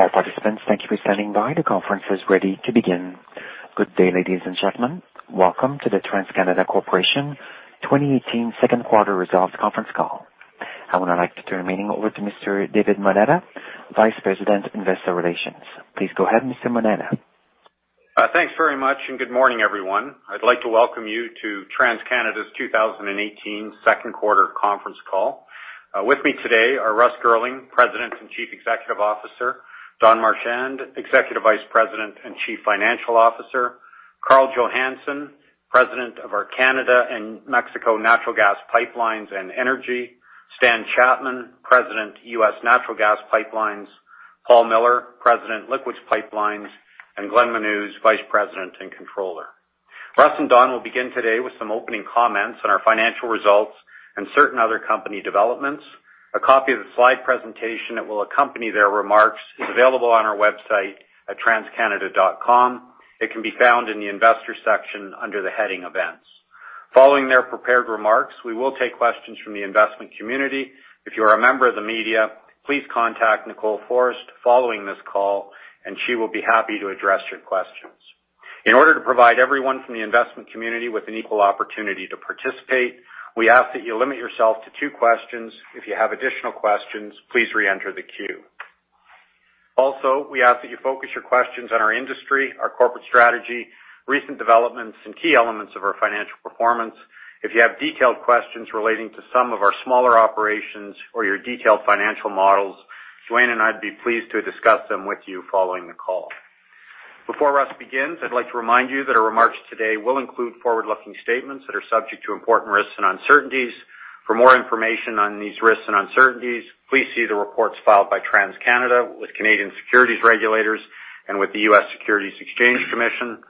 All participants, thank you for standing by. The conference is ready to begin. Good day, ladies and gentlemen. Welcome to the TransCanada Corporation 2018 second quarter results conference call. I would now like to turn the meeting over to Mr. David Moneta, Vice President, Investor Relations. Please go ahead, Mr. Moneta. Thanks very much, and good morning, everyone. I'd like to welcome you to TransCanada's 2018 second quarter conference call. With me today are Russ Girling, President and Chief Executive Officer, Don Marchand, Executive Vice President and Chief Financial Officer, Karl Johannson, President of our Canada and Mexico Natural Gas Pipelines and Energy, Stan Chapman, President, U.S. Natural Gas Pipelines, Paul Miller, President, Liquids Pipelines, and Glenn Menuz, Vice President and Controller. Russ and Don will begin today with some opening comments on our financial results and certain other company developments. A copy of the slide presentation that will accompany their remarks is available on our website at transcanada.com. It can be found in the Investors section under the heading Events. Following their prepared remarks, we will take questions from the investment community. If you are a member of the media, please contact Nicole Forrest following this call, and she will be happy to address your questions. In order to provide everyone from the investment community with an equal opportunity to participate, we ask that you limit yourself to two questions. If you have additional questions, please re-enter the queue. Also, we ask that you focus your questions on our industry, our corporate strategy, recent developments, and key elements of our financial performance. If you have detailed questions relating to some of our smaller operations or your detailed financial models, Duane and I'd be pleased to discuss them with you following the call. Before Russ begins, I'd like to remind you that our remarks today will include forward-looking statements that are subject to important risks and uncertainties. For more information on these risks and uncertainties, please see the reports filed by TransCanada with Canadian securities regulators and with the U.S. Securities and Exchange Commission.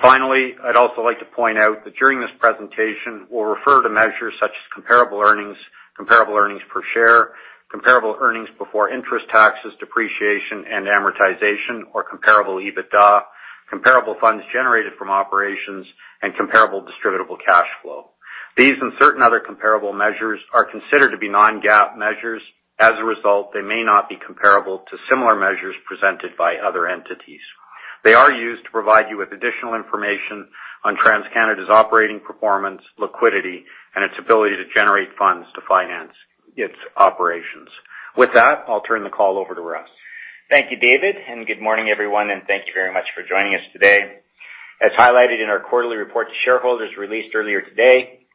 Finally, I'd also like to point out that during this presentation, we'll refer to measures such as comparable earnings, comparable earnings per share, comparable earnings before interest, taxes, depreciation, and amortization or comparable EBITDA, comparable funds generated from operations, and comparable distributable cash flow. These and certain other comparable measures are considered to be non-GAAP measures. As a result, they may not be comparable to similar measures presented by other entities. They are used to provide you with additional information on TransCanada's operating performance, liquidity, and its ability to generate funds to finance its operations. With that, I'll turn the call over to Russ. Thank you, David, and good morning, everyone, and thank you very much for joining us today. As highlighted in our quarterly report to shareholders released earlier today,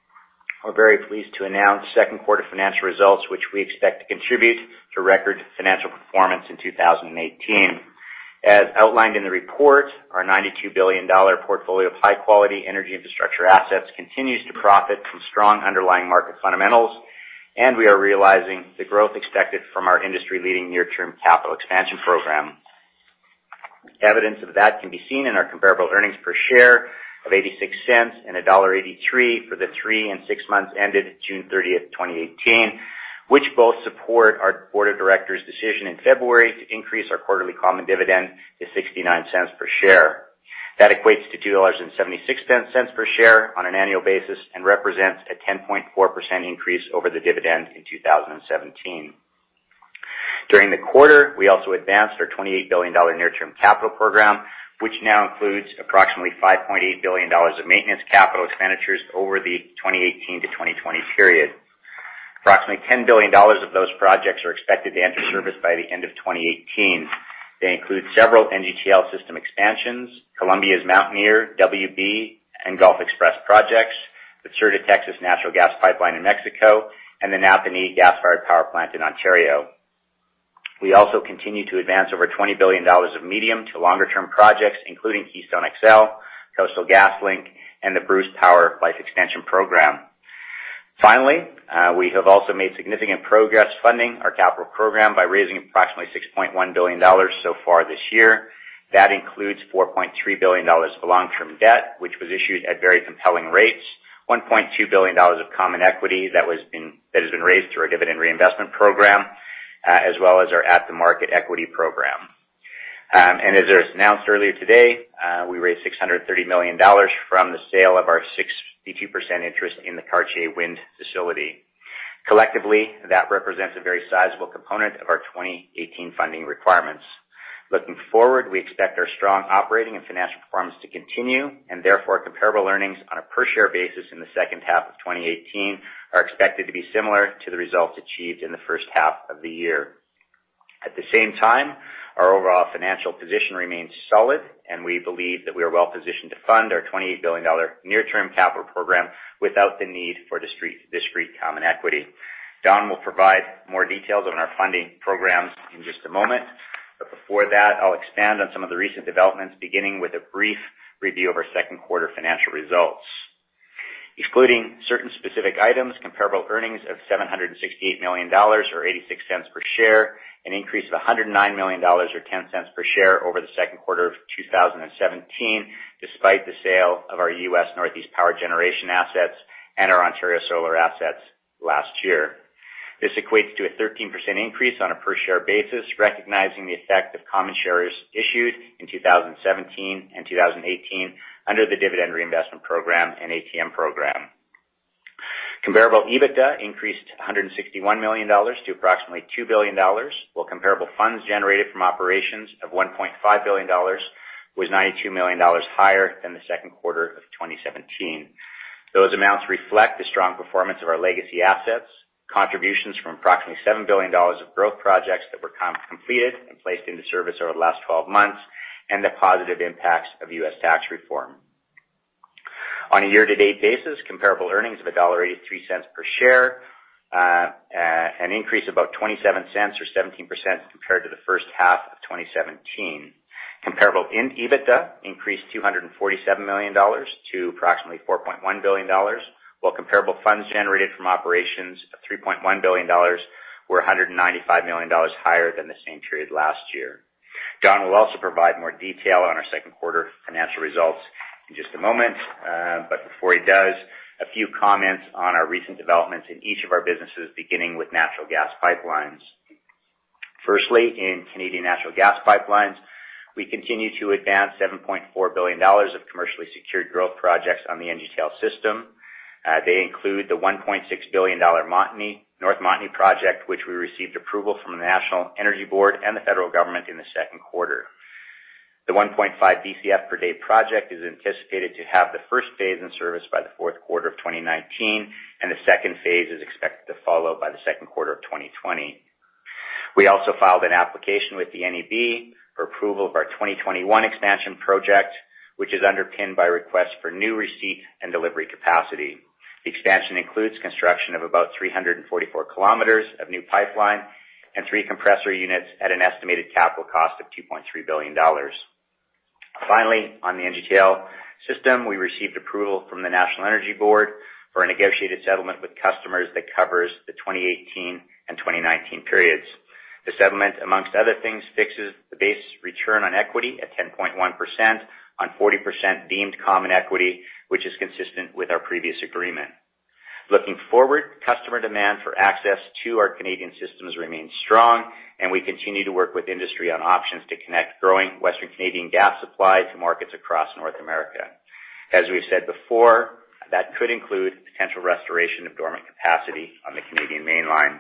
we're very pleased to announce second quarter financial results, which we expect to contribute to record financial performance in 2018. As outlined in the report, our 92 billion dollar portfolio of high-quality energy infrastructure assets continues to profit from strong underlying market fundamentals, and we are realizing the growth expected from our industry-leading near-term capital expansion program. Evidence of that can be seen in our comparable earnings per share of 0.86 and dollar 1.83 for the three and six months ended June 30th, 2018, which both support our board of directors' decision in February to increase our quarterly common dividend to 0.69 per share. That equates to 2.76 dollars per share on an annual basis and represents a 10.4% increase over the dividend in 2017. During the quarter, we also advanced our 28 billion dollar near-term capital program, which now includes approximately 5.8 billion dollars of maintenance capital expenditures over the 2018-2020 period. Approximately 10 billion dollars of those projects are expected to enter service by the end of 2018. They include several NGTL system expansions, Columbia's Mountaineer, WB, and Gulf XPress projects, the Sur de Texas natural gas pipeline in Mexico, and the Napanee Generating Station in Ontario. We also continue to advance over 20 billion dollars of medium to longer-term projects, including Keystone XL, Coastal GasLink, and the Bruce Power life extension program. Finally, we have also made significant progress funding our capital program by raising approximately 6.1 billion dollars so far this year. That includes 4.3 billion dollars of long-term debt, which was issued at very compelling rates, 1.2 billion dollars of common equity that has been raised through our dividend reinvestment program, as well as our at-the-market equity program. As was announced earlier today, we raised 630 million dollars from the sale of our 62% interest in the Cartier Wind Energy. Collectively, that represents a very sizable component of our 2018 funding requirements. Looking forward, we expect our strong operating and financial performance to continue, and therefore, comparable earnings on a per-share basis in the second half of 2018 are expected to be similar to the results achieved in the first half of the year. At the same time, our overall financial position remains solid, and we believe that we are well-positioned to fund our 28 billion dollar near-term capital program without the need for discrete common equity. Don will provide more details on our funding programs in just a moment. Before that, I'll expand on some of the recent developments, beginning with a brief review of our second quarter financial results. Excluding certain specific items, comparable earnings of 768 million dollars, or 0.86 per share, an increase of 109 million dollars or 0.10 per share over the second quarter of 2017, despite the sale of our U.S. Northeast power generation assets and our Ontario solar assets last year. This equates to a 13% increase on a per-share basis, recognizing the effect of common shares issued in 2017 and 2018 under the dividend reinvestment program and ATM program. Comparable EBITDA increased 161 million dollars to approximately 2 billion dollars, while comparable funds generated from operations of 1.5 billion dollars was 92 million dollars higher than the second quarter of 2017. Those amounts reflect the strong performance of our legacy assets, contributions from approximately 7 billion dollars of growth projects that were completed and placed into service over the last 12 months, and the positive impacts of U.S. tax reform. On a year-to-date basis, comparable earnings of 1.83 dollar per share, an increase of about 0.27 or 17% compared to the first half of 2017. Comparable EBITDA increased 247 million dollars to approximately 4.1 billion dollars, while comparable funds generated from operations of 3.1 billion dollars were 195 million dollars higher than the same period last year. Don will also provide more detail on our second quarter financial results in just a moment, but before he does, a few comments on our recent developments in each of our businesses, beginning with natural gas pipelines. Firstly, in Canadian natural gas pipelines, we continue to advance 7.4 billion dollars of commercially secured growth projects on the NGTL system. They include the 1.6 billion dollar North Montney project, which we received approval from the National Energy Board and the federal government in the second quarter. The 1.5 Bcf per day project is anticipated to have the first phase in service by the fourth quarter of 2019, and the second phase is expected to follow by the second quarter of 2020. We also filed an application with the NEB for approval of our 2021 expansion project, which is underpinned by requests for new receipt and delivery capacity. The expansion includes construction of about 344 km of new pipeline and three compressor units at an estimated capital cost of 2.3 billion dollars. Finally, on the NGTL system, we received approval from the National Energy Board for a negotiated settlement with customers that covers the 2018 and 2019 periods. The settlement, amongst other things, fixes the base return on equity at 10.1% on 40% deemed common equity, which is consistent with our previous agreement. Looking forward, customer demand for access to our Canadian systems remains strong, and we continue to work with industry on options to connect growing Western Canadian gas supply to markets across North America. As we've said before, that could include potential restoration of dormant capacity on the Canadian mainline.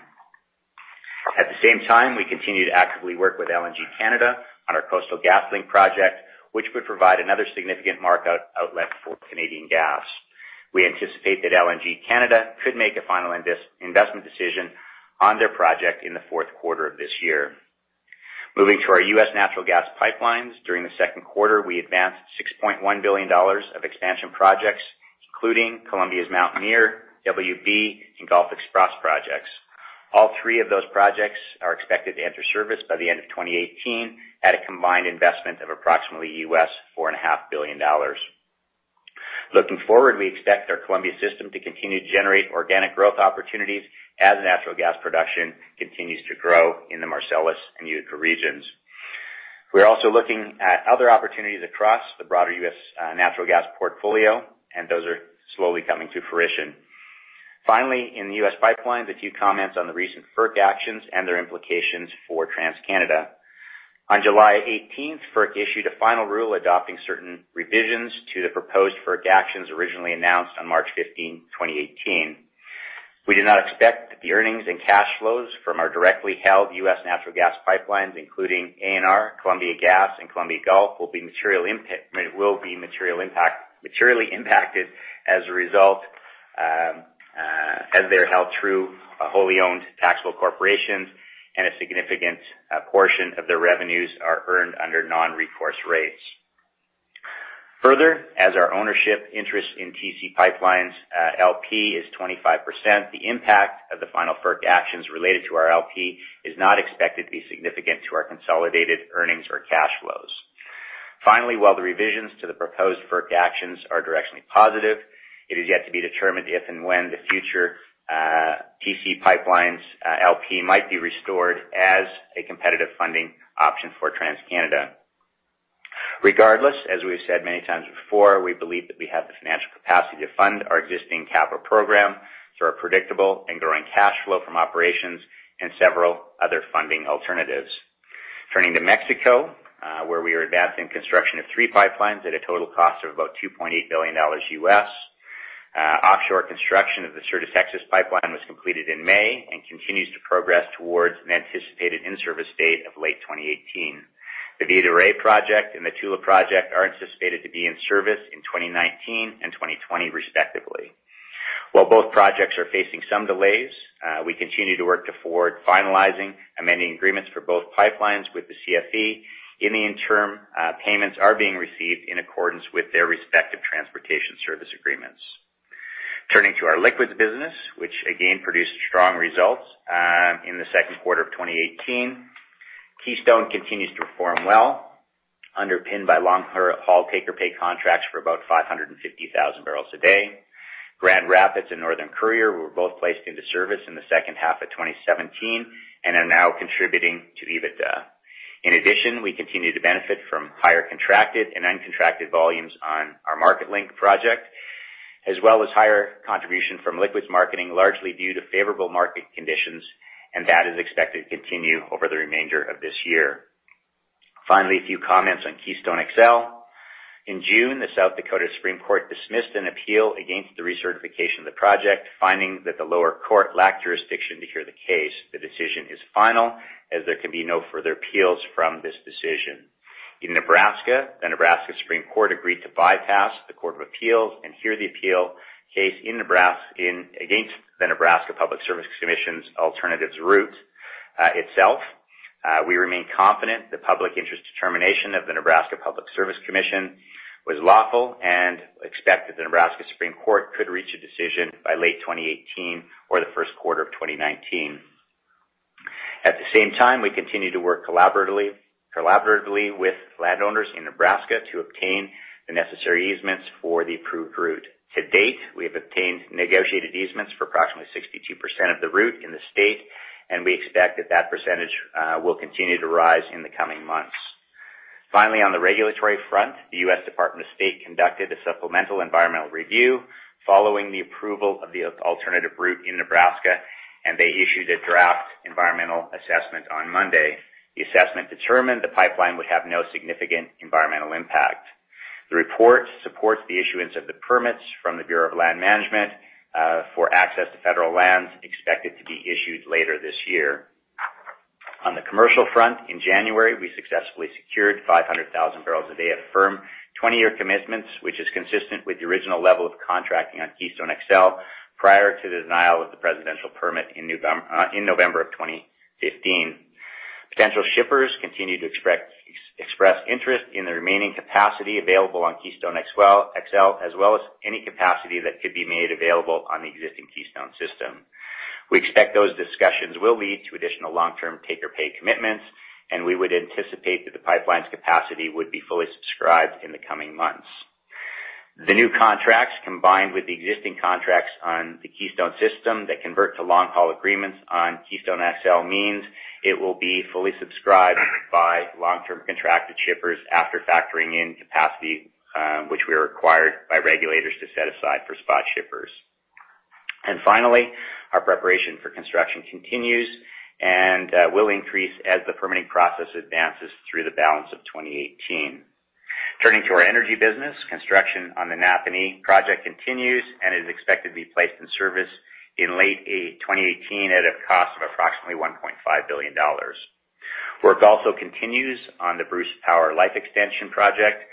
At the same time, we continue to actively work with LNG Canada on our Coastal GasLink project, which would provide another significant market outlet for Canadian gas. We anticipate that LNG Canada could make a final investment decision on their project in the fourth quarter of this year. Moving to our U.S. natural gas pipelines. During the second quarter, we advanced 6.1 billion dollars of expansion projects, including Columbia's Mountaineer XPress, WB XPress, and Gulf XPress projects. All three of those projects are expected to enter service by the end of 2018 at a combined investment of approximately US $4.5 billion. Looking forward, we expect our Columbia system to continue to generate organic growth opportunities as natural gas production continues to grow in the Marcellus and Utica regions. We're also looking at other opportunities across the broader U.S. natural gas portfolio, and those are slowly coming to fruition. Finally, in U.S. pipelines, a few comments on the recent FERC actions and their implications for TransCanada. On July 18th, FERC issued a final rule adopting certain revisions to the proposed FERC actions originally announced on March 15, 2018. We do not expect the earnings and cash flows from our directly held U.S. natural gas pipelines, including ANR, Columbia Gas, and Columbia Gulf will be materially impacted as a result, as they're held through wholly owned taxable corporations and a significant portion of their revenues are earned under non-recourse rates. As our ownership interest in TC PipeLines, LP is 25%, the impact of the final FERC actions related to our LP is not expected to be significant to our consolidated earnings or cash flows. While the revisions to the proposed FERC actions are directionally positive, it is yet to be determined if and when the future TC PipeLines, LP might be restored as a competitive funding option for TransCanada. As we've said many times before, we believe that we have the financial capacity to fund our existing capital program through our predictable and growing cash flow from operations and several other funding alternatives. Turning to Mexico, where we are advancing construction of three pipelines at a total cost of about 2.8 billion US dollars. Offshore construction of the Sur de Texas pipeline was completed in May and continues to progress towards an anticipated in-service date of late 2018. The Villa de Reyes project and the Tula project are anticipated to be in service in 2019 and 2020 respectively. While both projects are facing some delays, we continue to work toward finalizing amending agreements for both pipelines with the CFE. In the interim, payments are being received in accordance with their respective transportation service agreements. Turning to our liquids business, which again produced strong results in the second quarter of 2018. Keystone continues to perform well, underpinned by long-haul take-or-pay contracts for about 550,000 barrels a day. Grand Rapids and Northern Courier were both placed into service in the second half of 2017 and are now contributing to EBITDA. In addition, we continue to benefit from higher contracted and uncontracted volumes on our Marketlink project, as well as higher contribution from liquids marketing, largely due to favorable market conditions, and that is expected to continue over the remainder of this year. A few comments on Keystone XL. In June, the South Dakota Supreme Court dismissed an appeal against the recertification of the project, finding that the lower court lacked jurisdiction to hear the case. The decision is final, as there can be no further appeals from this decision. In Nebraska, the Nebraska Supreme Court agreed to bypass the Court of Appeals and hear the appeal case against the Nebraska Public Service Commission's alternatives route itself. We remain confident the public interest determination of the Nebraska Public Service Commission was lawful and expect that the Nebraska Supreme Court could reach a decision by late 2018 or the first quarter of 2019. At the same time, we continue to work collaboratively with landowners in Nebraska to obtain the necessary easements for the approved route. To date, we have obtained negotiated easements for approximately 62% of the route in the state, and we expect that that percentage will continue to rise in the coming months. On the regulatory front, the U.S. Department of State conducted a supplemental environmental review following the approval of the alternative route in Nebraska, and they issued a draft environmental assessment on Monday. The assessment determined the pipeline would have no significant environmental impact. The report supports the issuance of the permits from the Bureau of Land Management for access to federal lands expected to be issued later this year. On the commercial front, in January, we successfully secured 500,000 barrels a day of firm 20-year commitments, which is consistent with the original level of contracting on Keystone XL prior to the denial of the presidential permit in November of 2015. Potential shippers continue to express interest in the remaining capacity available on Keystone XL, as well as any capacity that could be made available on the existing Keystone system. We expect those discussions will lead to additional long-term take-or-pay commitments. We would anticipate that the pipeline's capacity would be fully subscribed in the coming months. The new contracts, combined with the existing contracts on the Keystone system that convert to long-haul agreements on Keystone XL means it will be fully subscribed by long-term contracted shippers after factoring in capacity, which we are required by regulators to set aside for spot shippers. Finally, our preparation for construction continues and will increase as the permitting process advances through the balance of 2018. Turning to our energy business, construction on the Napanee project continues and is expected to be placed in service in late 2018 at a cost of approximately 1.5 billion dollars. Work also continues on the Bruce Power life extension project,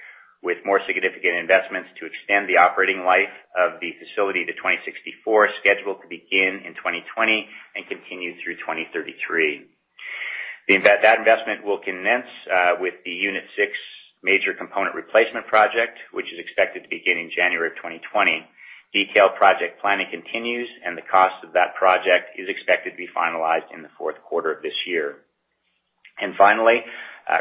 with more significant investments to extend the operating life of the facility to 2064, scheduled to begin in 2020 and continue through 2033. That investment will commence with the unit 6 major component replacement project, which is expected to begin in January of 2020. Detailed project planning continues. The cost of that project is expected to be finalized in the fourth quarter of this year. Finally,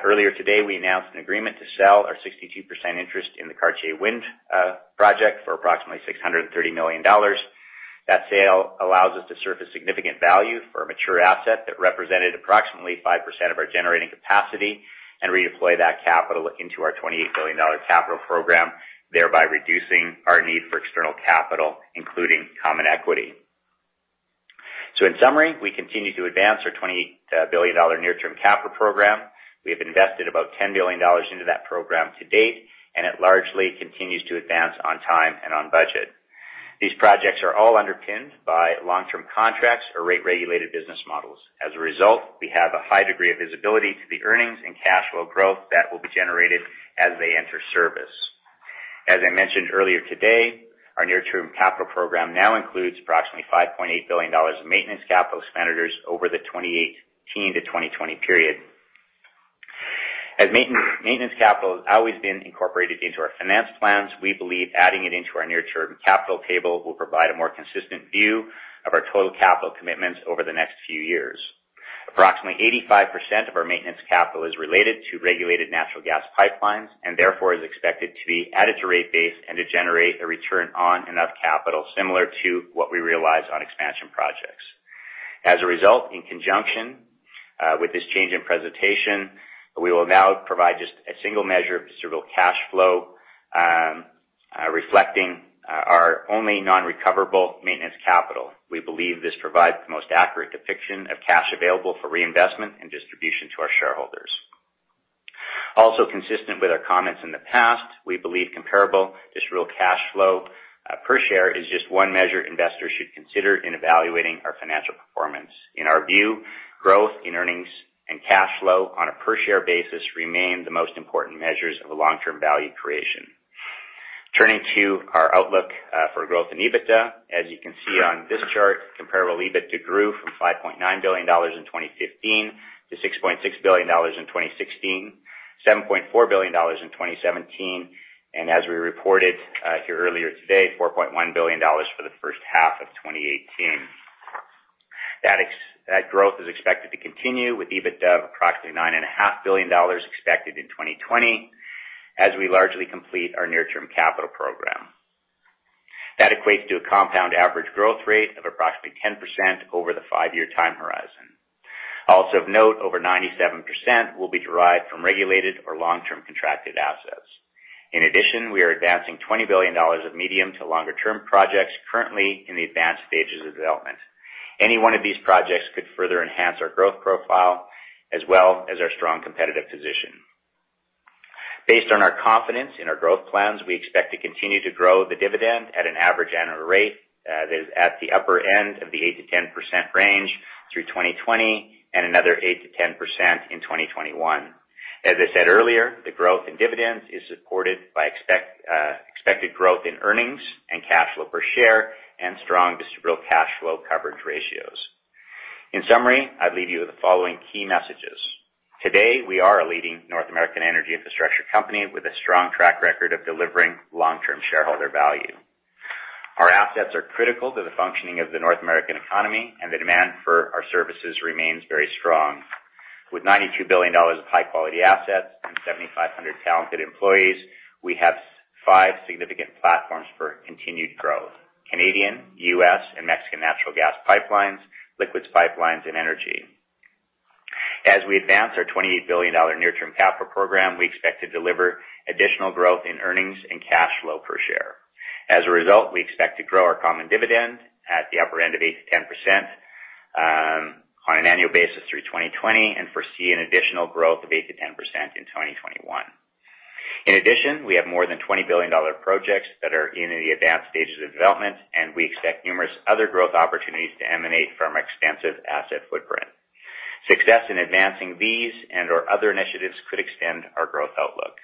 earlier today we announced an agreement to sell our 62% interest in the Cartier Wind project for approximately 630 million dollars. That sale allows us to surface significant value for a mature asset that represented approximately 5% of our generating capacity and redeploy that capital into our 28 billion dollar capital program, thereby reducing our need for external capital, including common equity. In summary, we continue to advance our 28 billion dollar near-term capital program. We have invested about 10 billion dollars into that program to date. It largely continues to advance on time and on budget. These projects are all underpinned by long-term contracts or rate-regulated business models. As a result, we have a high degree of visibility to the earnings and cash flow growth that will be generated as they enter service. As I mentioned earlier today, our near-term capital program now includes approximately 5.8 billion dollars in maintenance capital expenditures over the 2018 to 2020 period. As maintenance capital has always been incorporated into our finance plans, we believe adding it into our near-term capital table will provide a more consistent view of our total capital commitments over the next few years. Approximately 85% of our maintenance capital is related to regulated natural gas pipelines. Therefore, it is expected to be added to rate base and to generate a return on and of capital, similar to what we realize on expansion projects. As a result, in conjunction with this change in presentation, we will now provide just a single measure of distributable cash flow reflecting our only non-recoverable maintenance capital. We believe this provides the most accurate depiction of cash available for reinvestment and distribution to our shareholders. Also consistent with our comments in the past, we believe comparable distributable cash flow per share is just one measure investors should consider in evaluating our financial performance. In our view, growth in earnings and cash flow on a per-share basis remain the most important measures of long-term value creation. Turning to our outlook for growth in EBITDA, as you can see on this chart, comparable EBITDA grew from 5.9 billion dollars in 2015 to 6.6 billion dollars in 2016, 7.4 billion dollars in 2017, and as we reported here earlier today, 4.1 billion dollars for the first half of 2018. That growth is expected to continue with EBITDA of approximately 9.5 billion dollars expected in 2020 as we largely complete our near-term capital program. That equates to a compound average growth rate of approximately 10% over the five-year time horizon. Also of note, over 97% will be derived from regulated or long-term contracted assets. In addition, we are advancing 20 billion dollars of medium to longer-term projects currently in the advanced stages of development. Any one of these projects could further enhance our growth profile as well as our strong competitive position. Based on our confidence in our growth plans, we expect to continue to grow the dividend at an average annual rate that is at the upper end of the 8%-10% range through 2020, and another 8%-10% in 2021. As I said earlier, the growth in dividends is supported by expected growth in earnings and cash flow per share, and strong distributable cash flow coverage ratios. In summary, I leave you with the following key messages. Today, we are a leading North American energy infrastructure company with a strong track record of delivering long-term shareholder value. Our assets are critical to the functioning of the North American economy, and the demand for our services remains very strong. With 92 billion dollars of high-quality assets and 7,500 talented employees, we have five significant platforms for continued growth: Canadian, U.S., and Mexican natural gas pipelines, liquids pipelines, and energy. As we advance our 28 billion dollar near-term capital program, we expect to deliver additional growth in earnings and cash flow per share. As a result, we expect to grow our common dividend at the upper end of 8%-10% on an annual basis through 2020, and foresee an additional growth of 8%-10% in 2021. In addition, we have more than 20 billion dollar projects that are in the advanced stages of development, and we expect numerous other growth opportunities to emanate from our expansive asset footprint. Success in advancing these and/or other initiatives could extend our growth outlook.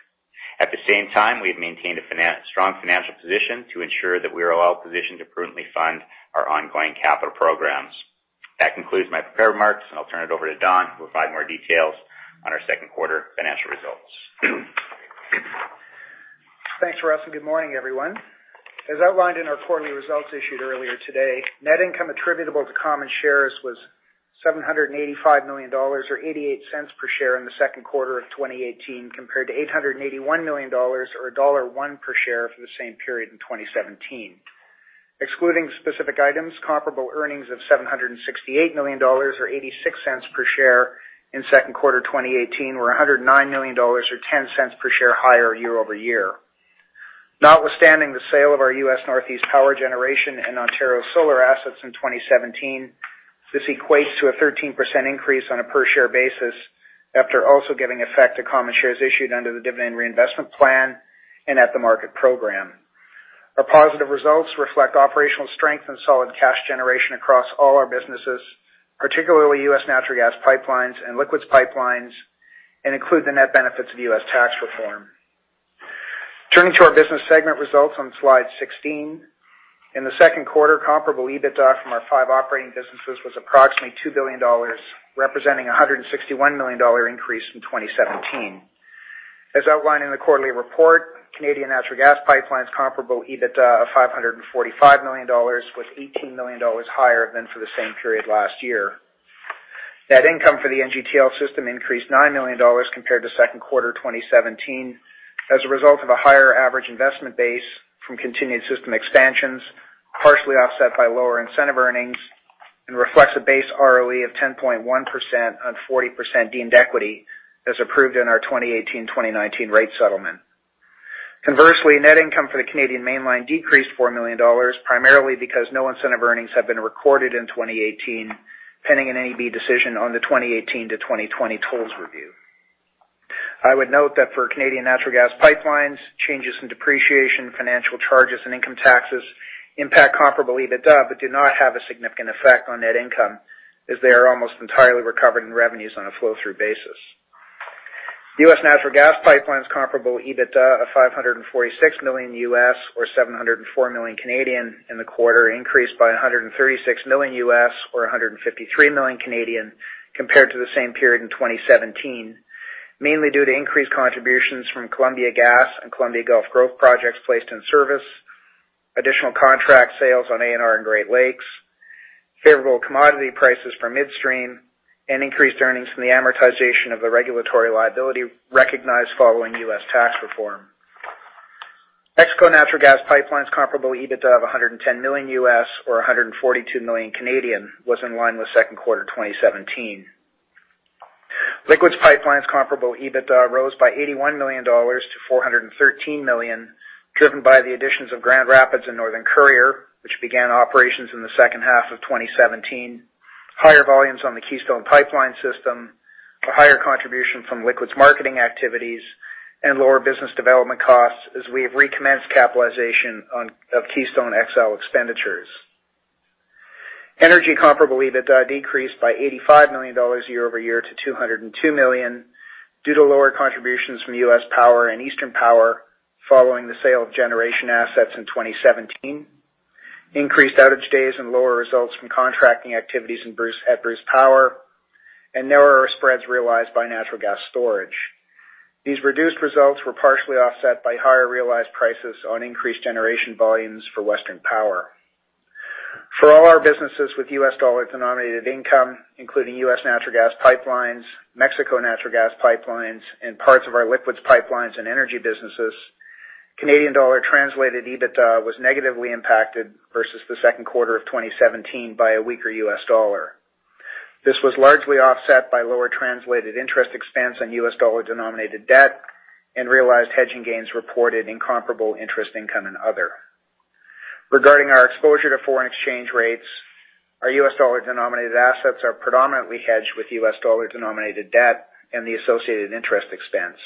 At the same time, we've maintained a strong financial position to ensure that we are well-positioned to prudently fund our ongoing capital programs. That concludes my prepared remarks, and I'll turn it over to Don who will provide more details on our second quarter financial results. Thanks, Russ, good morning, everyone. As outlined in our quarterly results issued earlier today, net income attributable to common shares was 785 million dollars, or 0.88 per share in the second quarter of 2018, compared to 881 million dollars, or dollar 1.01 per share for the same period in 2017. Excluding specific items, comparable earnings of 768 million dollars, or 0.86 per share in second quarter 2018 were 109 million dollars, or 0.10 per share higher year-over-year. Notwithstanding the sale of our U.S. Northeast Power Generation and Ontario solar assets in 2017, this equates to a 13% increase on a per-share basis after also giving effect to common shares issued under the dividend reinvestment plan and at-the-market program. Our positive results reflect operational strength and solid cash generation across all our businesses, particularly U.S. natural gas pipelines and liquids pipelines, and include the net benefits of U.S. tax reform. Turning to our business segment results on slide 16. In the second quarter, comparable EBITDA from our five operating businesses was approximately 2 billion dollars, representing 161 million dollar increase from 2017. As outlined in the quarterly report, Canadian natural gas pipelines comparable EBITDA of 545 million dollars was 18 million dollars higher than for the same period last year. Net income for the NGTL system increased 9 million dollars compared to second quarter 2017 as a result of a higher average investment base from continued system expansions, partially offset by lower incentive earnings, and reflects a base ROE of 10.1% on 40% deemed equity as approved in our 2018-2019 rate settlement. Conversely, net income for the Canadian mainline decreased 4 million dollars, primarily because no incentive earnings have been recorded in 2018, pending an NEB decision on the 2018 to 2020 tolls review. I would note that for Canadian natural gas pipelines, changes in depreciation, financial charges, and income taxes impact comparable EBITDA, but do not have a significant effect on net income, as they are almost entirely recovered in revenues on a flow-through basis. U.S. natural gas pipelines comparable EBITDA of $546 million, or 704 million in the quarter increased by $136 million, or 153 million, compared to the same period in 2017, mainly due to increased contributions from Columbia Gas and Columbia Gulf growth projects placed in service, additional contract sales on ANR and Great Lakes, favorable commodity prices for midstream, and increased earnings from the amortization of the regulatory liability recognized following U.S. tax reform. Mexico natural gas pipelines comparable EBITDA of $110 million, or 142 million, was in line with second quarter 2017. Liquids pipelines comparable EBITDA rose by 81 million dollars to 413 million, driven by the additions of Grand Rapids and Northern Courier, which began operations in the second half of 2017, higher volumes on the Keystone Pipeline system, a higher contribution from liquids marketing activities, and lower business development costs as we have recommenced capitalization of Keystone XL expenditures. Energy comparable EBITDA decreased by 85 million dollars year-over-year to 202 million due to lower contributions from U.S. Power and Eastern Power following the sale of generation assets in 2017, increased outage days and lower results from contracting activities at Bruce Power, and narrower spreads realized by natural gas storage. These reduced results were partially offset by higher realized prices on increased generation volumes for Western Power. For all our businesses with U.S. dollar-denominated income, including U.S. natural gas pipelines, Mexico Natural Gas Pipelines, and parts of our liquids pipelines and energy businesses, Canadian dollar-translated EBITDA was negatively impacted versus the second quarter of 2017 by a weaker U.S. dollar. This was largely offset by lower translated interest expense on U.S. dollar-denominated debt and realized hedging gains reported in comparable interest income and other. Regarding our exposure to foreign exchange rates, our U.S. dollar-denominated assets are predominantly hedged with U.S. dollar-denominated debt and the associated interest expense.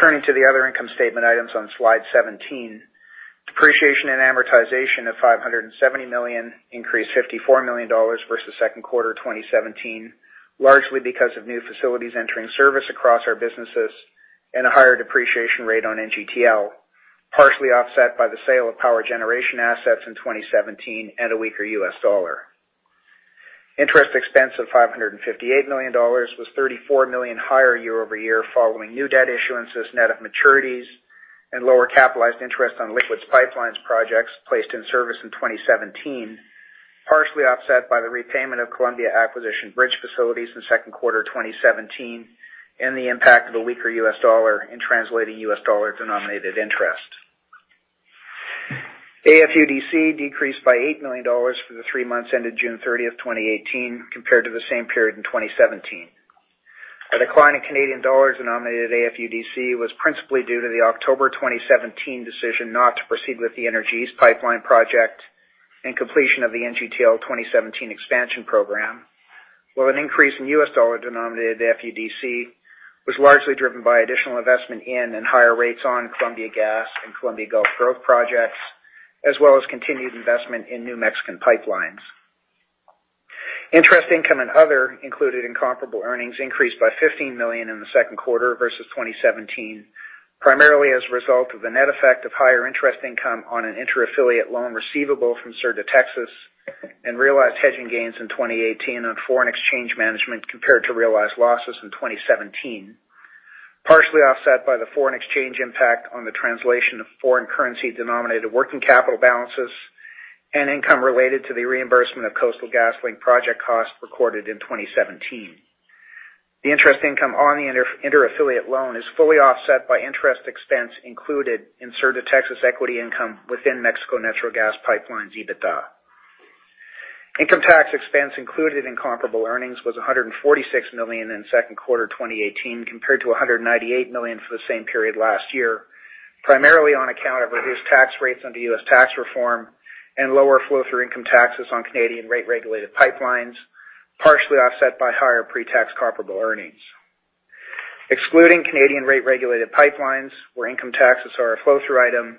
Turning to the other income statement items on slide 17. Depreciation and amortization of 570 million increased 54 million dollars versus second quarter 2017, largely because of new facilities entering service across our businesses and a higher depreciation rate on NGTL, partially offset by the sale of power generation assets in 2017 and a weaker U.S. dollar. Interest expense of 558 million dollars was 34 million higher year-over-year following new debt issuances, net of maturities and lower capitalized interest on liquids pipelines projects placed in service in 2017, partially offset by the repayment of Columbia acquisition bridge facilities in second quarter 2017 and the impact of a weaker U.S. dollar in translating U.S. dollar-denominated interest. AFUDC decreased by 8 million dollars for the three months ended June 30th, 2018 compared to the same period in 2017. A decline in Canadian dollar-denominated AFUDC was principally due to the October 2017 decision not to proceed with the Energy East pipeline project and completion of the NGTL 2017 expansion program. An increase in U.S. dollar-denominated AFUDC was largely driven by additional investment in and higher rates on Columbia Gas and Columbia Gulf Growth projects, as well as continued investment in New Mexican pipelines. Interest income and other included in comparable earnings increased by 15 million in the second quarter versus 2017, primarily as a result of the net effect of higher interest income on an inter-affiliate loan receivable from Sur de Texas and realized hedging gains in 2018 on foreign exchange management compared to realized losses in 2017, partially offset by the foreign exchange impact on the translation of foreign currency-denominated working capital balances and income related to the reimbursement of Coastal GasLink project costs recorded in 2017. The interest income on the inter-affiliate loan is fully offset by interest expense included in Sur de Texas equity income within Mexico Natural Gas Pipelines EBITDA. Income tax expense included in comparable earnings was 146 million in second quarter 2018 compared to 198 million for the same period last year, primarily on account of reduced tax rates under U.S. tax reform and lower flow-through income taxes on Canadian rate-regulated pipelines, partially offset by higher pre-tax comparable earnings. Excluding Canadian rate-regulated pipelines, where income taxes are a flow-through item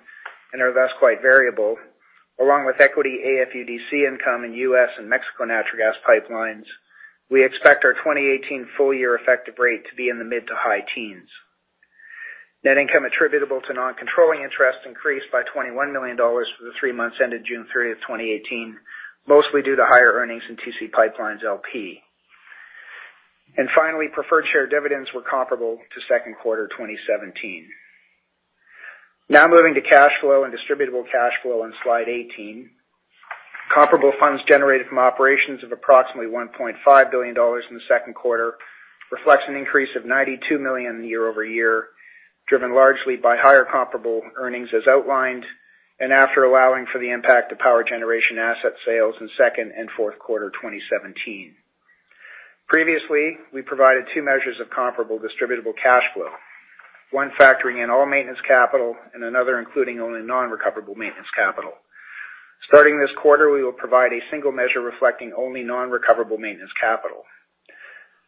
and are thus quite variable, along with equity AFUDC income in U.S. and Mexico Natural Gas Pipelines, we expect our 2018 full-year effective rate to be in the mid to high teens. Net income attributable to non-controlling interest increased by 21 million dollars for the three months ended June 30th, 2018, mostly due to higher earnings in TC PipeLines, LP. Preferred share dividends were comparable to second quarter 2017. Moving to cash flow and distributable cash flow on slide 18. Comparable funds generated from operations of approximately 1.5 billion dollars in the second quarter reflects an increase of 92 million year-over-year, driven largely by higher comparable earnings as outlined, and after allowing for the impact of power generation asset sales in second and fourth quarter 2017. Previously, we provided two measures of comparable distributable cash flow, one factoring in all maintenance capital, and another including only non-recoverable maintenance capital. Starting this quarter, we will provide a single measure reflecting only non-recoverable maintenance capital.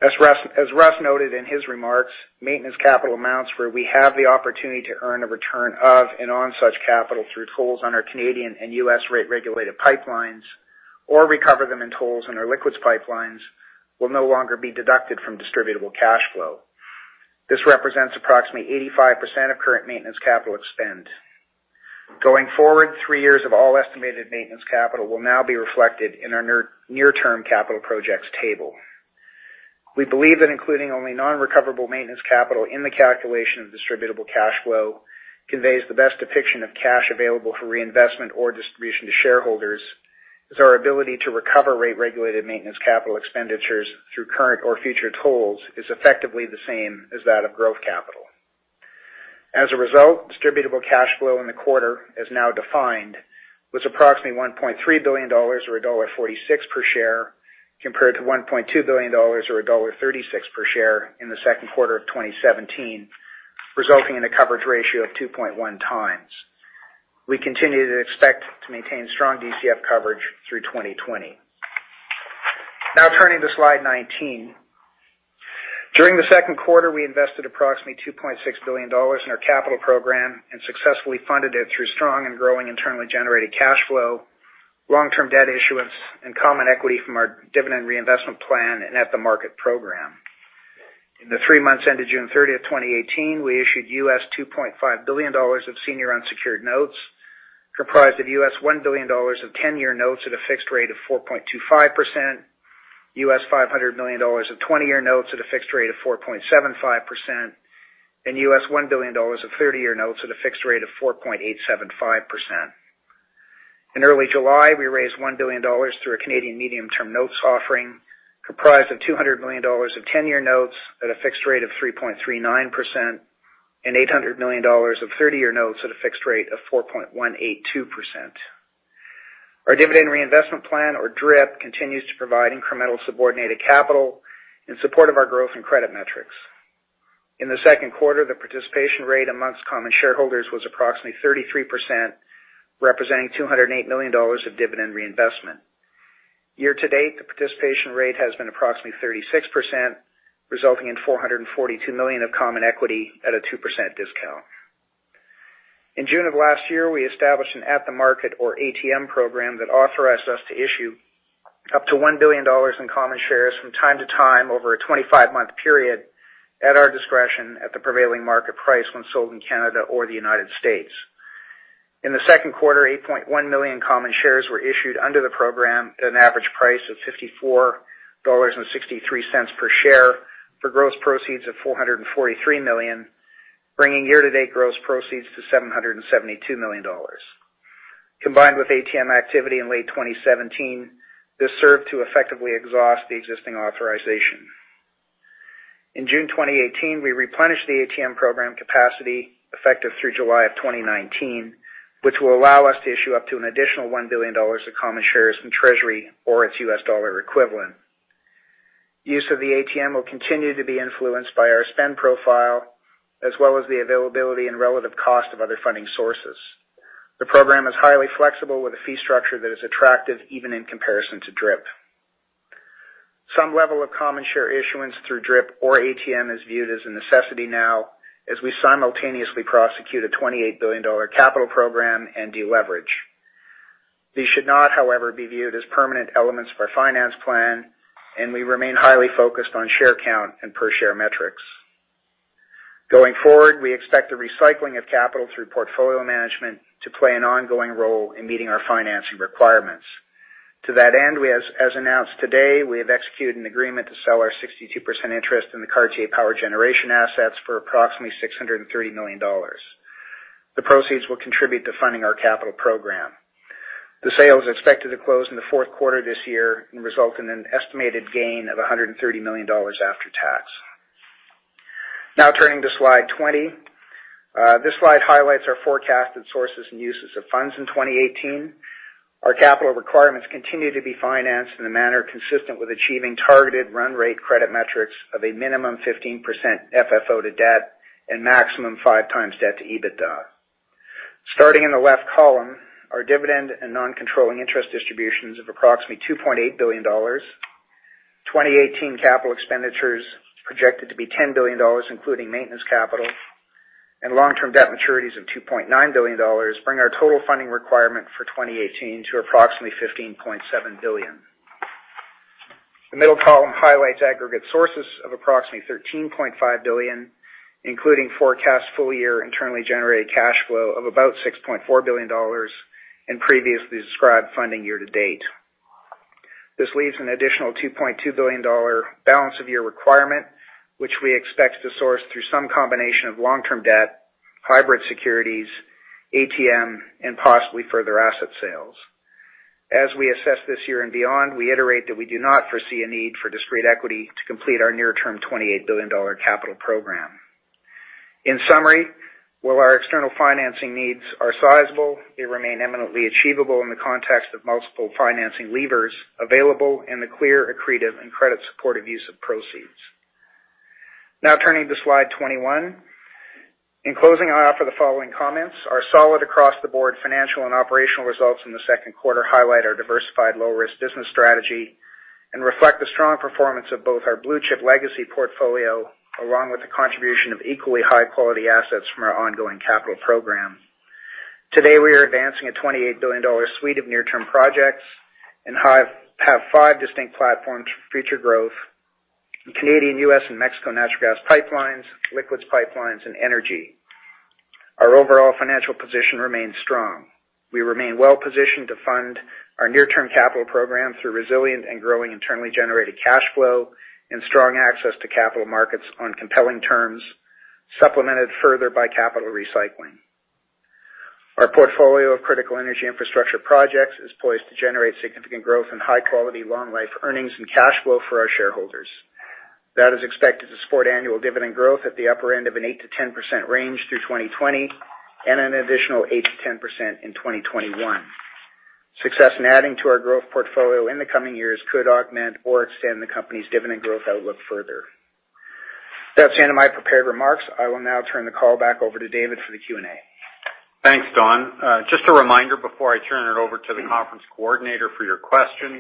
As Russ noted in his remarks, maintenance capital amounts where we have the opportunity to earn a return of and on such capital through tolls on our Canadian and U.S. rate-regulated pipelines or recover them in tolls on our liquids pipelines will no longer be deducted from distributable cash flow. This represents approximately 85% of current maintenance capital expend. Going forward, three years of all estimated maintenance capital will now be reflected in our near-term capital projects table. We believe that including only non-recoverable maintenance capital in the calculation of distributable cash flow conveys the best depiction of cash available for reinvestment or distribution to shareholders, as our ability to recover rate-regulated maintenance capital expenditures through current or future tolls is effectively the same as that of growth capital. As a result, distributable cash flow in the quarter, as now defined, was approximately 1.3 billion dollars, or dollar 1.46 per share, compared to 1.2 billion dollars or dollar 1.36 per share in the second quarter of 2017, resulting in a coverage ratio of 2.1 times. We continue to expect to maintain strong DCF coverage through 2020. Turning to slide 19. During the second quarter, we invested approximately 2.6 billion dollars in our capital program and successfully funded it through strong and growing internally generated cash flow, long-term debt issuance, and common equity from our dividend reinvestment plan and at-the-market program. In the three months ended June 30th, 2018, we issued US $2.5 billion of senior unsecured notes, comprised of US $1 billion of 10-year notes at a fixed rate of 4.25%, US $500 million of 20-year notes at a fixed rate of 4.75%, and US $1 billion of 30-year notes at a fixed rate of 4.875%. In early July, we raised 1 billion dollars through a Canadian medium-term notes offering, comprised of 200 million dollars of 10-year notes at a fixed rate of 3.39%, and 800 million dollars of 30-year notes at a fixed rate of 4.182%. Our dividend reinvestment plan, or DRIP, continues to provide incremental subordinated capital in support of our growth and credit metrics. In the second quarter, the participation rate amongst common shareholders was approximately 33%, representing 208 million dollars of dividend reinvestment. Year-to-date, the participation rate has been approximately 36%, resulting in 442 million of common equity at a 2% discount. In June of last year, we established an at-the-market, or ATM program, that authorized us to issue up to 1 billion dollars in common shares from time to time over a 25-month period at our discretion at the prevailing market price when sold in Canada or the U.S. In the second quarter, 8.1 million common shares were issued under the program at an average price of 54.63 dollars per share for gross proceeds of 443 million, bringing year-to-date gross proceeds to 772 million dollars. Combined with ATM activity in late 2017, this served to effectively exhaust the existing authorization. In June 2018, we replenished the ATM program capacity effective through July of 2019, which will allow us to issue up to an additional 1 billion dollars of common shares from Treasury or its U.S. dollar equivalent. Use of the ATM will continue to be influenced by our spend profile, as well as the availability and relative cost of other funding sources. The program is highly flexible with a fee structure that is attractive even in comparison to DRIP. Some level of common share issuance through DRIP or ATM is viewed as a necessity now as we simultaneously prosecute a 28 billion dollar capital program and deleverage. These should not, however, be viewed as permanent elements of our finance plan, and we remain highly focused on share count and per-share metrics. Going forward, we expect the recycling of capital through portfolio management to play an ongoing role in meeting our financing requirements. To that end, as announced today, we have executed an agreement to sell our 62% interest in the Cartier power generation assets for approximately 630 million dollars. The proceeds will contribute to funding our capital program. The sale is expected to close in the fourth quarter this year and result in an estimated gain of 130 million dollars after tax. Now turning to slide 20. This slide highlights our forecasted sources and uses of funds in 2018. Our capital requirements continue to be financed in a manner consistent with achieving targeted run rate credit metrics of a minimum 15% FFO to debt and maximum five times debt to EBITDA. Starting in the left column, our dividend and non-controlling interest distributions of approximately 2.8 billion dollars. 2018 capital expenditures projected to be 10 billion dollars, including maintenance capital. Long-term debt maturities of 2.9 billion dollars bring our total funding requirement for 2018 to approximately 15.7 billion. The middle column highlights aggregate sources of approximately 13.5 billion, including forecast full-year internally generated cash flow of about 6.4 billion dollars and previously described funding year-to-date. This leaves an additional 2.2 billion dollar balance of year requirement, which we expect to source through some combination of long-term debt, hybrid securities, ATM, and possibly further asset sales. As we assess this year and beyond, we iterate that we do not foresee a need for discrete equity to complete our near-term 28 billion dollar capital program. In summary, while our external financing needs are sizable, they remain eminently achievable in the context of multiple financing levers available and the clear accretive and credit supportive use of proceeds. Now turning to slide 21. In closing, I offer the following comments. Our solid across-the-board financial and operational results in the second quarter highlight our diversified low-risk business strategy and reflect the strong performance of both our blue-chip legacy portfolio, along with the contribution of equally high-quality assets from our ongoing capital program. Today, we are advancing a 28 billion dollar suite of near-term projects and have five distinct platforms for future growth in Canadian, U.S., and Mexico natural gas pipelines, liquids pipelines, and energy. Our overall financial position remains strong. We remain well-positioned to fund our near-term capital program through resilient and growing internally generated cash flow and strong access to capital markets on compelling terms, supplemented further by capital recycling. Our portfolio of critical energy infrastructure projects is poised to generate significant growth and high-quality, long-life earnings and cash flow for our shareholders. That's expected to support annual dividend growth at the upper end of an 8%-10% range through 2020 and an additional 8%-10% in 2021. Success in adding to our growth portfolio in the coming years could augment or extend the company's dividend growth outlook further. That's the end of my prepared remarks. I will now turn the call back over to David for the Q&A. Thanks, Don. Just a reminder before I turn it over to the conference coordinator for your questions,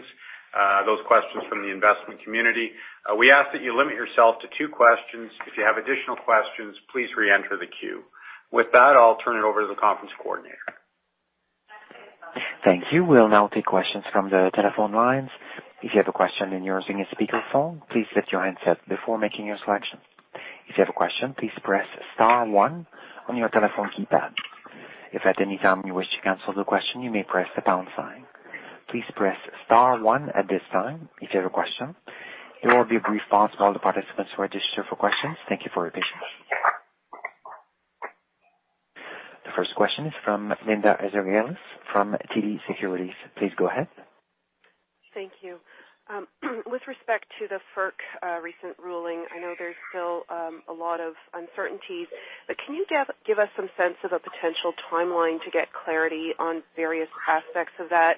those questions from the investment community. We ask that you limit yourself to two questions. If you have additional questions, please re-enter the queue. With that, I'll turn it over to the conference coordinator. Thank you. We'll now take questions from the telephone lines. If you have a question and you are using a speakerphone, please lift your handset before making your selection. If you have a question, please press *1 on your telephone keypad. If at any time you wish to cancel the question, you may press the pound sign. Please press *1 at this time if you have a question. There will be a brief pause while the participants who are registered for questions. Thank you for your patience. The first question is from Linda Ezergailis from TD Securities. Please go ahead. Thank you. With respect to the FERC recent ruling, I know there's still a lot of uncertainties, can you give us some sense of a potential timeline to get clarity on various aspects of that?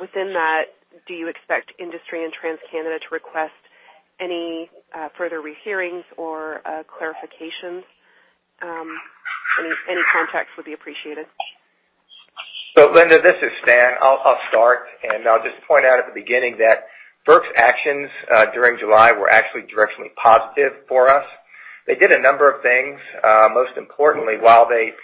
Within that, do you expect industry and TransCanada to request any further rehearings or clarifications? Any context would be appreciated. Linda, this is Stan. I'll start, I'll just point out at the beginning that FERC's actions during July were actually directionally positive for us. They did a number of things. Most importantly, while they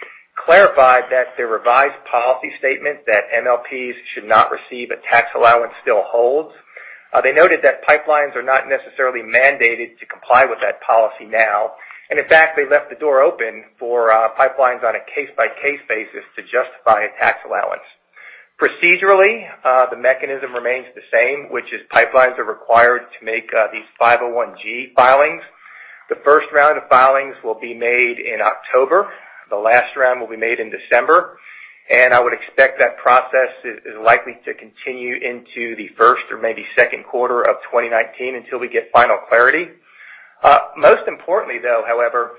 clarified that their revised policy statement that MLPs should not receive a tax allowance still holds. They noted that pipelines are not necessarily mandated to comply with that policy now, in fact, they left the door open for pipelines on a case-by-case basis to justify a tax allowance. Procedurally, the mechanism remains the same, which is pipelines are required to make these 501G filings. The first round of filings will be made in October. The last round will be made in December. I would expect that process is likely to continue into the first or maybe second quarter of 2019 until we get final clarity. Most importantly, though, however,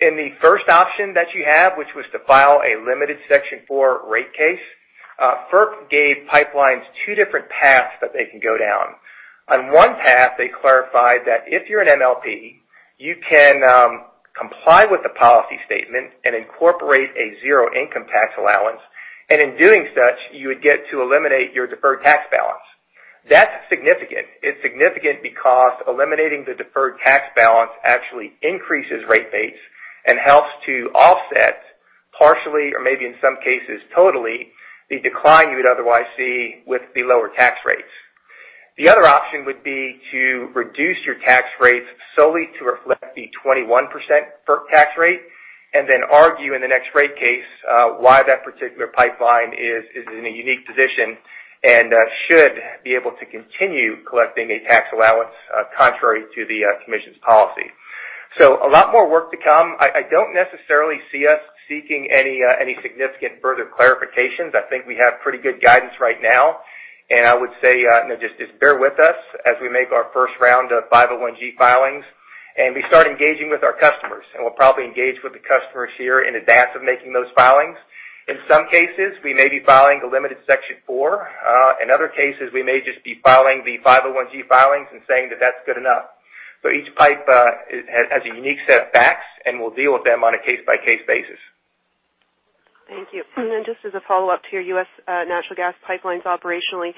in the first option that you have, which was to file a limited Section 4 rate case, FERC gave pipelines two different paths that they can go down. On one path, they clarified that if you're an MLP, you can comply with the policy statement and incorporate a zero income tax allowance, and in doing such, you would get to eliminate your deferred tax balance. That's significant. It's significant because eliminating the deferred tax balance actually increases rate base and helps to offset partially or maybe in some cases, totally the decline you would otherwise see with the lower tax rates. The other option would be to reduce your tax rates solely to reflect the 21% FERC tax rate and then argue in the next rate case why that particular pipeline is in a unique position and should be able to continue collecting a tax allowance contrary to the commission's policy. A lot more work to come. I don't necessarily see us seeking any significant further clarifications. I think we have pretty good guidance right now, and I would say just bear with us as we make our first round of 501G filings, and we start engaging with our customers, and we'll probably engage with the customers here in advance of making those filings. In some cases, we may be filing a limited Section 4. In other cases, we may just be filing the 501G filings and saying that that's good enough. Each pipe has a unique set of facts, and we'll deal with them on a case-by-case basis. Thank you. Just as a follow-up to your U.S. natural gas pipelines operationally,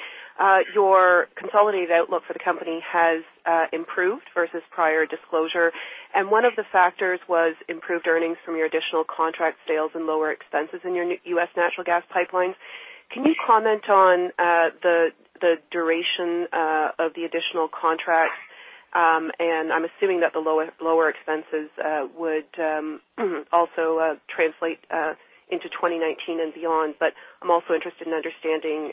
your consolidated outlook for the company has improved versus prior disclosure, and one of the factors was improved earnings from your additional contract sales and lower expenses in your U.S. natural gas pipelines. Can you comment on the duration of the additional contracts? I'm assuming that the lower expenses would also translate into 2019 and beyond, I'm also interested in understanding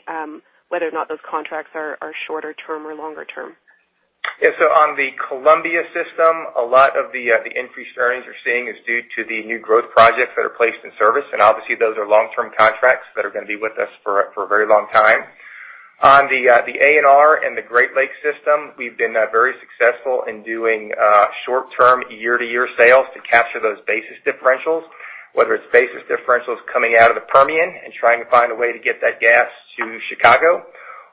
whether or not those contracts are shorter term or longer term. On the Columbia system, a lot of the increased earnings you're seeing is due to the new growth projects that are placed in service, and obviously, those are long-term contracts that are going to be with us for a very long time. On the ANR and the Great Lakes system, we've been very successful in doing short-term year-to-year sales to capture those basis differentials, whether it's basis differentials coming out of the Permian and trying to find a way to get that gas to Chicago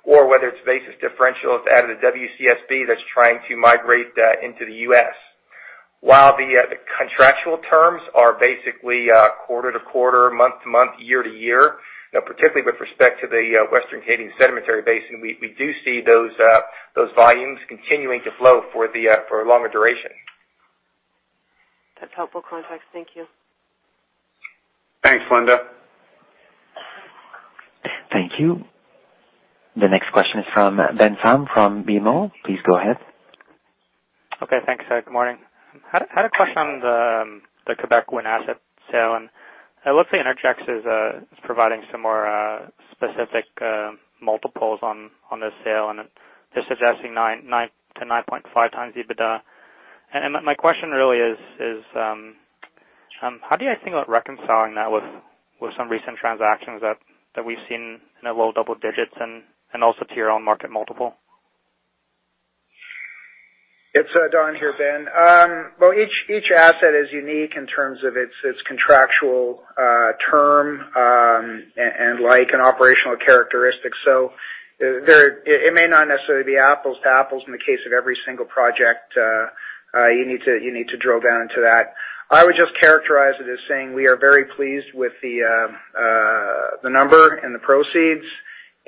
or whether it's basis differentials out of the WCSB that's trying to migrate into the U.S. While the contractual terms are basically quarter to quarter, month to month, year to year, particularly with respect to the Western Canadian Sedimentary Basin, we do see those volumes continuing to flow for a longer duration. That's helpful context. Thank you. Thanks, Linda. Thank you. The next question is from Ben Pham from BMO. Please go ahead. Okay, thanks. Good morning. I had a question on the Quebec wind asset sale. It looks like Innergex is providing some more specific multiples on this sale, and they're suggesting to 9.5x EBITDA. My question really is, how do you think about reconciling that with some recent transactions that we've seen in the low double digits and also to your own market multiple? It's Don here, Ben. Well, each asset is unique in terms of its contractual term and like an operational characteristic. It may not necessarily be apples to apples in the case of every single project. You need to drill down into that. I would just characterize it as saying we are very pleased with the number and the proceeds.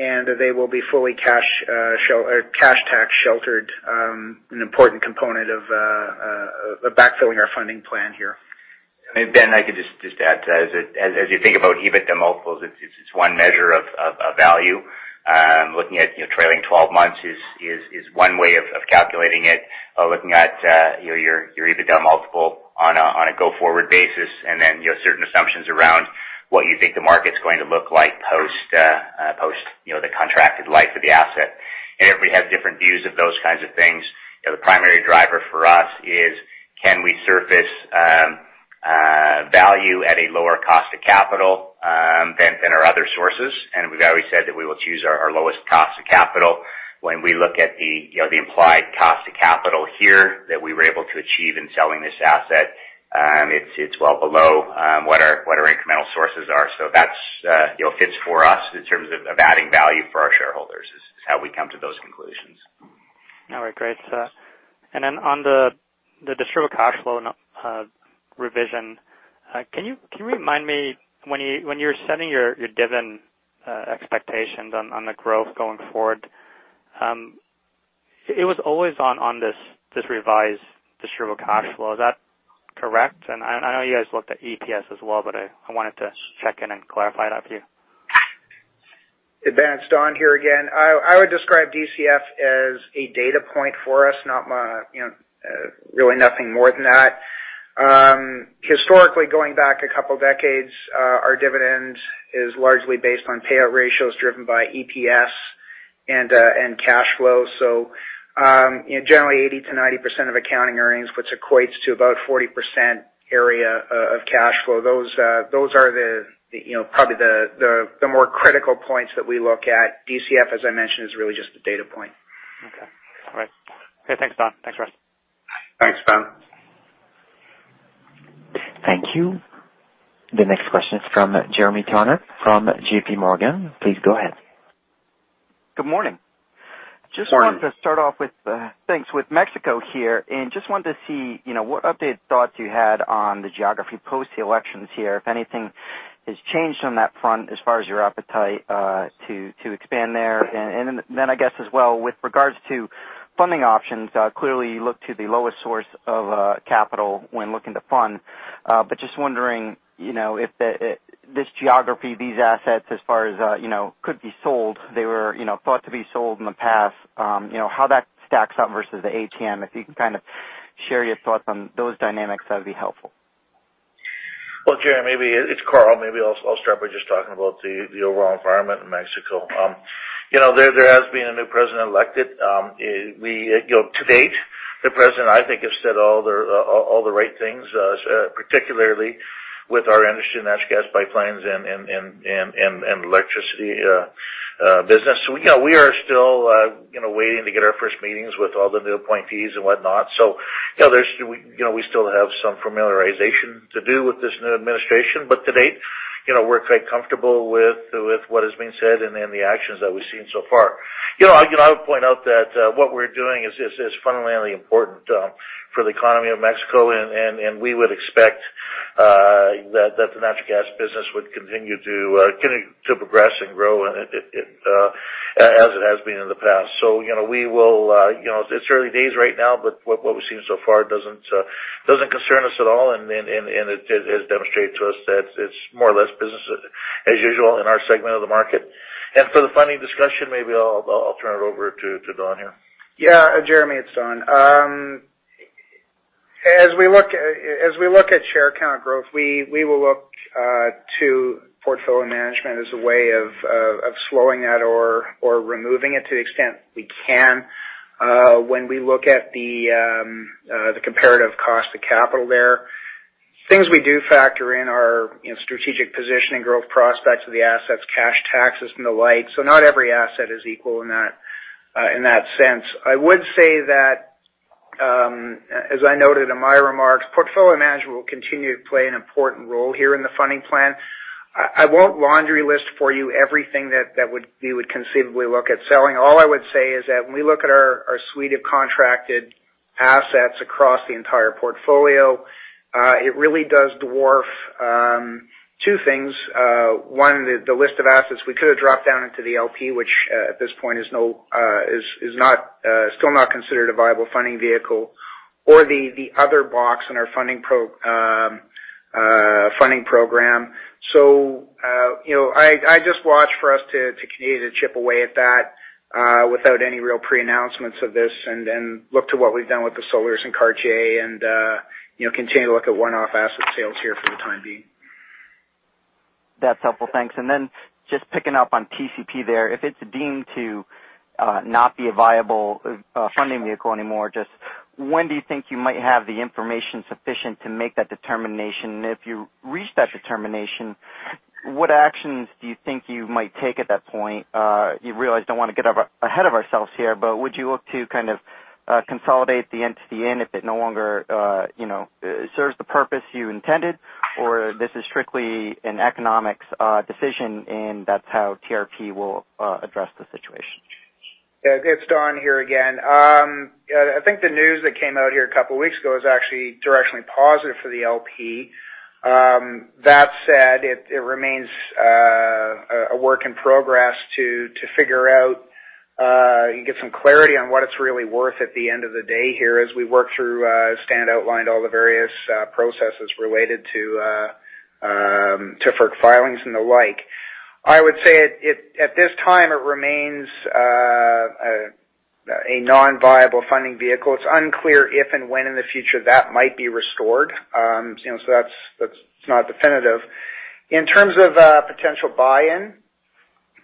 They will be fully cash tax sheltered, an important component of backfilling our funding plan here. Ben, I could just add to as you think about EBITDA multiples, it's one measure of value. Looking at trailing 12 months is one way of calculating it or looking at your EBITDA multiple on a go-forward basis. What you think the market's going to look like post the contracted life of the asset. Everybody has different views of those kinds of things. The primary driver for us is can we surface value at a lower cost of capital than our other sources? We've always said that we will choose our lowest cost of capital. When we look at the implied cost of capital here that we were able to achieve in selling this asset, it's well below what our incremental sources are. That fits for us in terms of adding value for our shareholders, is how we come to those conclusions. All right, great. Then on the distributable cash flow revision, can you remind me when you're setting your dividend expectations on the growth going forward, it was always on this revised distributable cash flow. Is that correct? I know you guys looked at EPS as well, but I wanted to check in and clarify that with you. advanced Don here again. I would describe DCF as a data point for us, really nothing more than that. Historically, going back a couple decades, our dividend is largely based on payout ratios driven by EPS and cash flow. Generally 80%-90% of accounting earnings, which equates to about 40% area of cash flow. Those are probably the more critical points that we look at. DCF, as I mentioned, is really just a data point. Okay. All right. Okay, thanks, Don. Thanks, Russ. Thanks, Ben. Thank you. The next question is from Jeremy Tonet from J.P. Morgan. Please go ahead. Good morning. Morning. Just wanted to start off with, thanks, with Mexico here, just wanted to see what updated thoughts you had on the geography post the elections here. If anything has changed on that front as far as your appetite to expand there? I guess as well with regards to funding options, clearly you look to the lowest source of capital when looking to fund. Just wondering, if this geography, these assets as far as could be sold, they were thought to be sold in the past, how that stacks up versus the ATM? If you can kind of share your thoughts on those dynamics, that'd be helpful. Well, Jeremy, it's Karl. Maybe I'll start by just talking about the overall environment in Mexico. There has been a new president elected. To date, the president, I think, has said all the right things, particularly with our industry, natural gas pipelines and electricity business. We are still waiting to get our first meetings with all the new appointees and whatnot. We still have some familiarization to do with this new administration. To date, we're quite comfortable with what has been said and the actions that we've seen so far. I would point out that what we're doing is fundamentally important for the economy of Mexico, and we would expect that the natural gas business would continue to progress and grow as it has been in the past. It's early days right now, but what we've seen so far doesn't concern us at all, and it has demonstrated to us that it's more or less business as usual in our segment of the market. For the funding discussion, maybe I'll turn it over to Don here. Yeah. Jeremy, it's Don. As we look at share account growth, we will look to portfolio management as a way of slowing that or removing it to the extent we can. When we look at the comparative cost of capital there, things we do factor in are strategic positioning, growth prospects of the assets, cash taxes, and the like. Not every asset is equal in that sense. I would say that, as I noted in my remarks, portfolio management will continue to play an important role here in the funding plan. I won't laundry list for you everything that we would conceivably look at selling. All I would say is that when we look at our suite of contracted assets across the entire portfolio, it really does dwarf two things. One, the list of assets we could have dropped down into the LP, which at this point is still not considered a viable funding vehicle, or the other box in our funding program. I just watch for us to continue to chip away at that, without any real pre-announcements of this, and look to what we've done with the solar and Cartier and continue to look at one-off asset sales here for the time being. That's helpful. Thanks. Then just picking up on TCP there, if it's deemed to not be a viable funding vehicle anymore, just when do you think you might have the information sufficient to make that determination? If you reach that determination, what actions do you think you might take at that point? You realize I don't want to get ahead of ourselves here, but would you look to kind of consolidate the entity in if it no longer serves the purpose you intended? This is strictly an economics decision, and that's how TRP will address the situation? It's Don here again. I think the news that came out here a couple of weeks ago is actually directionally positive for the LP. That said, it remains a work in progress to figure out and get some clarity on what it's really worth at the end of the day here as we work through, as Stan outlined, all the various processes related to FERC filings and the like. I would say at this time, it remains a A non-viable funding vehicle. It's unclear if and when in the future that might be restored. That's not definitive. In terms of potential buy-in,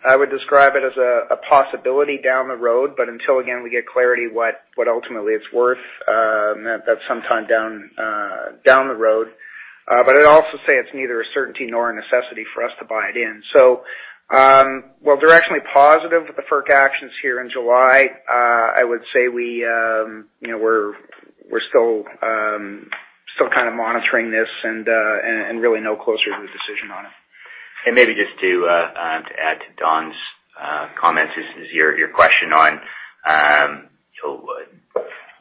I would describe it as a possibility down the road, but until, again, we get clarity what ultimately it's worth, that's sometime down the road. I'd also say it's neither a certainty nor a necessity for us to buy it in. While they're actually positive with the FERC actions here in July, I would say we're still kind of monitoring this and really no closer to a decision on it. Maybe just to add to Don's comments, this is your question on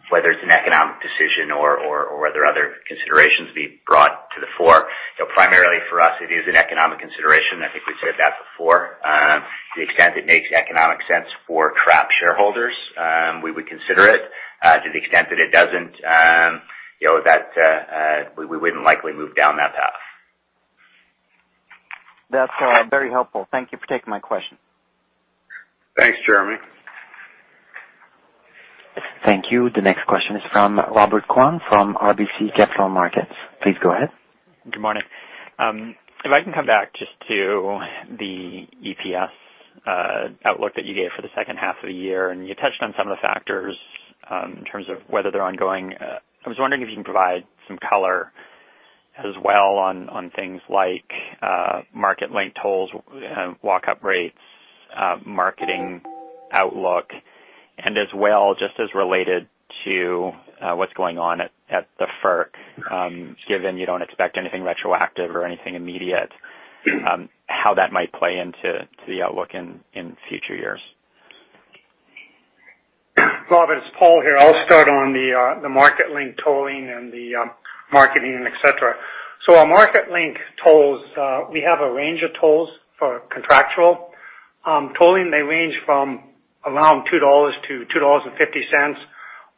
whether it's an economic decision or are there other considerations being brought to the fore. Primarily for us, it is an economic consideration. I think we've said that before. To the extent it makes economic sense for TRP shareholders, we would consider it. To the extent that it doesn't, we wouldn't likely move down that path. That's very helpful. Thank you for taking my question. Thanks, Jeremy. Thank you. The next question is from Robert Kwan from RBC Capital Markets. Please go ahead. Good morning. If I can come back just to the EPS outlook that you gave for the second half of the year, and you touched on some of the factors in terms of whether they're ongoing. I was wondering if you can provide some color as well on things like Marketlink tolls, walk-up rates, marketing outlook, and as well, just as related to what's going on at the FERC, given you don't expect anything retroactive or anything immediate, how that might play into the outlook in future years. Robert, it is Paul here. I will start on the Marketlink tolling and the marketing, et cetera. Our Marketlink tolls, we have a range of tolls for contractual tolling. They range from around 2-2.50 dollars.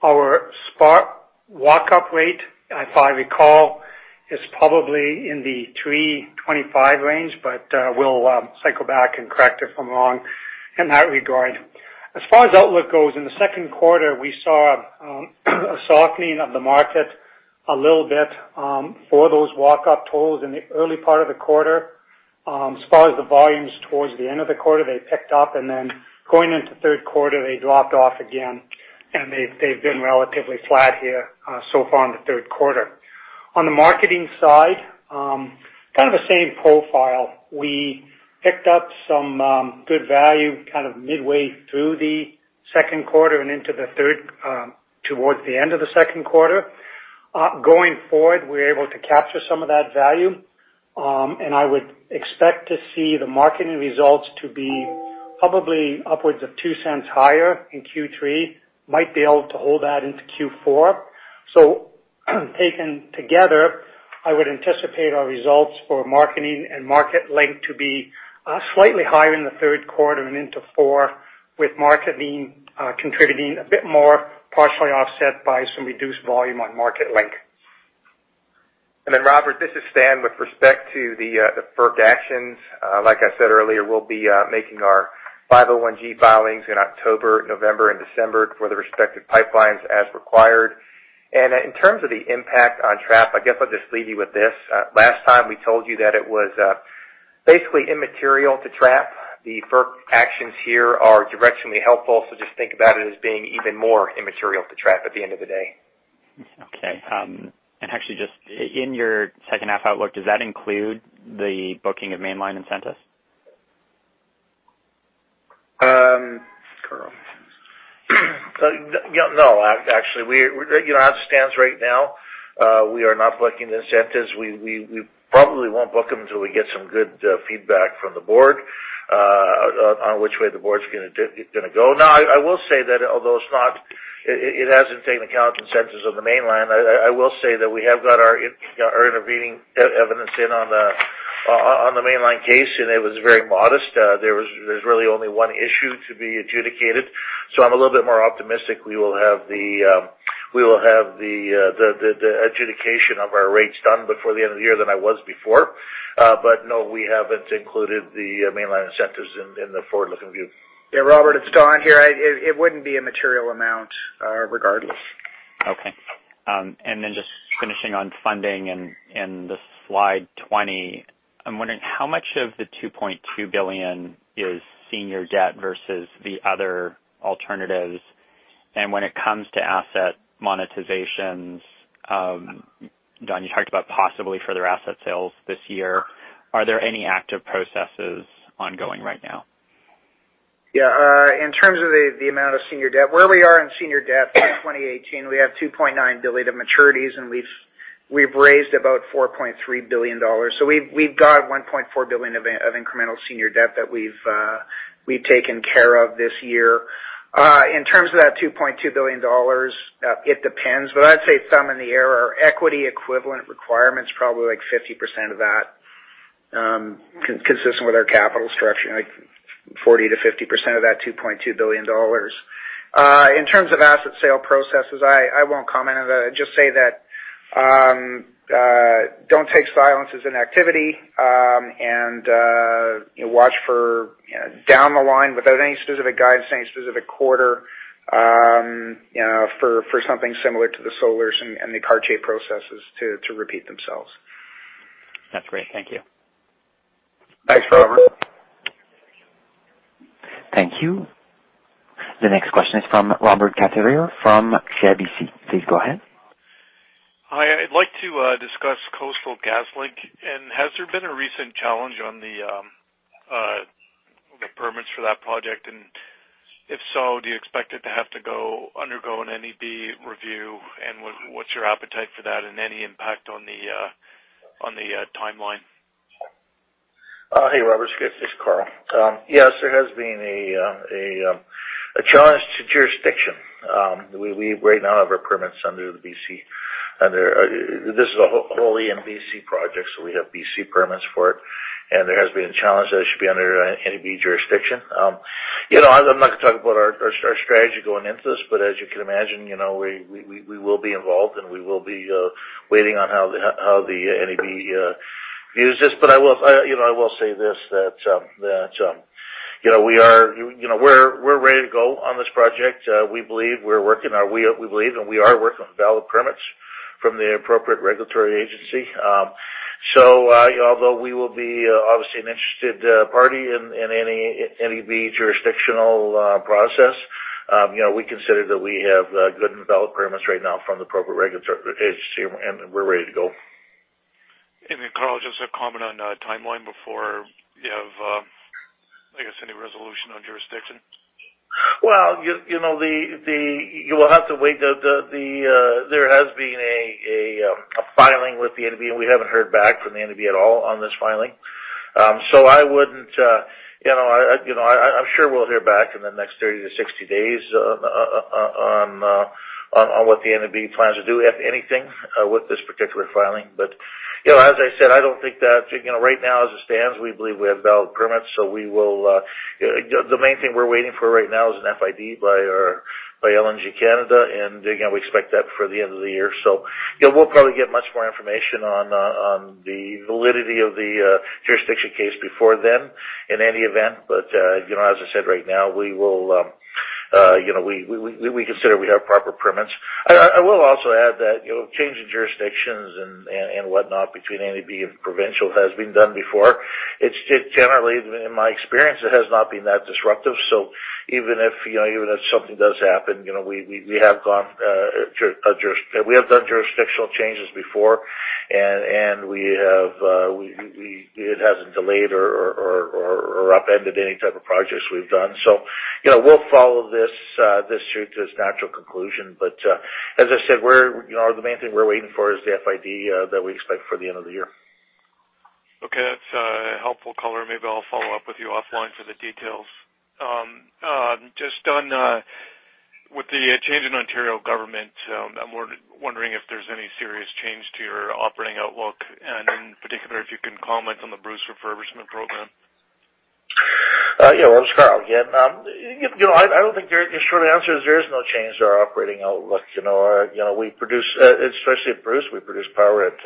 Our spot walk-up rate, if I recall, is probably in the 3.25 range, but we will cycle back and correct it if I am wrong in that regard. The outlook goes, in the second quarter, we saw a softening of the market a little bit for those walk-up tolls in the early part of the quarter. The volumes towards the end of the quarter, they picked up, and then going into third quarter, they dropped off again, and they have been relatively flat here so far in the third quarter. On the marketing side, kind of the same profile. We picked up some good value kind of midway through the second quarter and into the third, towards the end of the second quarter. Going forward, we are able to capture some of that value. I would expect to see the marketing results to be probably upwards of 0.02 higher in Q3. Might be able to hold that into Q4. Taken together, I would anticipate our results for marketing and Marketlink to be slightly higher in the third quarter and into four, with marketing contributing a bit more, partially offset by some reduced volume on Marketlink. Robert, this is Stan. With respect to the FERC actions, like I said earlier, we will be making our FERC Form 501-G filings in October, November, and December for the respective pipelines as required. In terms of the impact on TRP, I guess I will just leave you with this. Last time we told you that it was basically immaterial to TRP. The FERC actions here are directionally helpful. Just think about it as being even more immaterial to TRP at the end of the day. Okay. Actually just in your second half outlook, does that include the booking of mainline incentives? Karl? Actually, as it stands right now, we are not booking the incentives. We probably won't book them until we get some good feedback from the board on which way the board's going to go. I will say that although it hasn't taken account incentives on the mainline, I will say that we have got our intervening evidence in on the mainline case, and it was very modest. There's really only one issue to be adjudicated. I'm a little bit more optimistic we will have the adjudication of our rates done before the end of the year than I was before. No, we haven't included the mainline incentives in the forward-looking view. Yeah, Robert, it's Don here. It wouldn't be a material amount regardless. Okay. Just finishing on funding and slide 20, I'm wondering how much of the 2.2 billion is senior debt versus the other alternatives? When it comes to asset monetizations, Don, you talked about possibly further asset sales this year. Are there any active processes ongoing right now? Yeah. In terms of the amount of senior debt, where we are in senior debt for 2018, we have 2.9 billion of maturities, and we've raised about 4.3 billion dollars. We've got 1.4 billion of incremental senior debt that we've taken care of this year. In terms of that 2.2 billion dollars, it depends, but I'd say thumb in the air, our equity equivalent requirement's probably like 50% of that, consistent with our capital structure, like 40%-50% of that 2.2 billion dollars. In terms of asset sale processes, I won't comment on that. Don't take silence as an activity, and watch for down the line without any specific guidance, any specific quarter for something similar to the solars and theCartier processes to repeat themselves. That's great. Thank you. Thanks, Robert. Thank you. The next question is from Robert Catellier from CIBC. Please go ahead. Hi. I'd like to discuss Coastal GasLink. Has there been a recent challenge on the permits for that project? If so, do you expect it to have to undergo an NEB review? What's your appetite for that and any impact on the timeline? Hey, Robert. It's Karl. Yes, there has been a challenge to jurisdiction. We right now have our permits under the B.C. This is a wholly intra-B.C. project, so we have B.C. permits for it, there has been a challenge that it should be under an NEB jurisdiction. I'm not going to talk about our strategy going into this, as you can imagine, we will be involved, we will be waiting on how the NEB views this. I will say this, that we're ready to go on this project. We believe we are working on valid permits from the appropriate regulatory agency. Although we will be obviously an interested party in any of the jurisdictional process, we consider that we have good and valid permits right now from the appropriate regulatory agency, we're ready to go. Karl, just a comment on timeline before you have, I guess, any resolution on jurisdiction. You will have to wait. There has been a filing with the NEB, we haven't heard back from the NEB at all on this filing. I'm sure we'll hear back in the next 30 to 60 days on what the NEB plans to do, if anything, with this particular filing. As I said, I don't think that right now, as it stands, we believe we have valid permits. The main thing we're waiting for right now is an FID by LNG Canada, we expect that before the end of the year. We'll probably get much more information on the validity of the jurisdiction case before then in any event. As I said, right now, we consider we have proper permits. I will also add that change in jurisdictions and whatnot between NEB and provincial has been done before. It's generally, in my experience, it has not been that disruptive. Even if something does happen, we have done jurisdictional changes before, and it hasn't delayed or upended any type of projects we've done. We'll follow this through to its natural conclusion. As I said, the main thing we're waiting for is the FID that we expect before the end of the year. Okay. That's helpful, Karl. Maybe I'll follow up with you offline for the details. Just on with the change in Ontario government, I'm wondering if there's any serious change to your operating outlook, and in particular, if you can comment on the Bruce refurbishment program. This is Karl again. The short answer is there is no change to our operating outlook. Especially at Bruce, we produce power at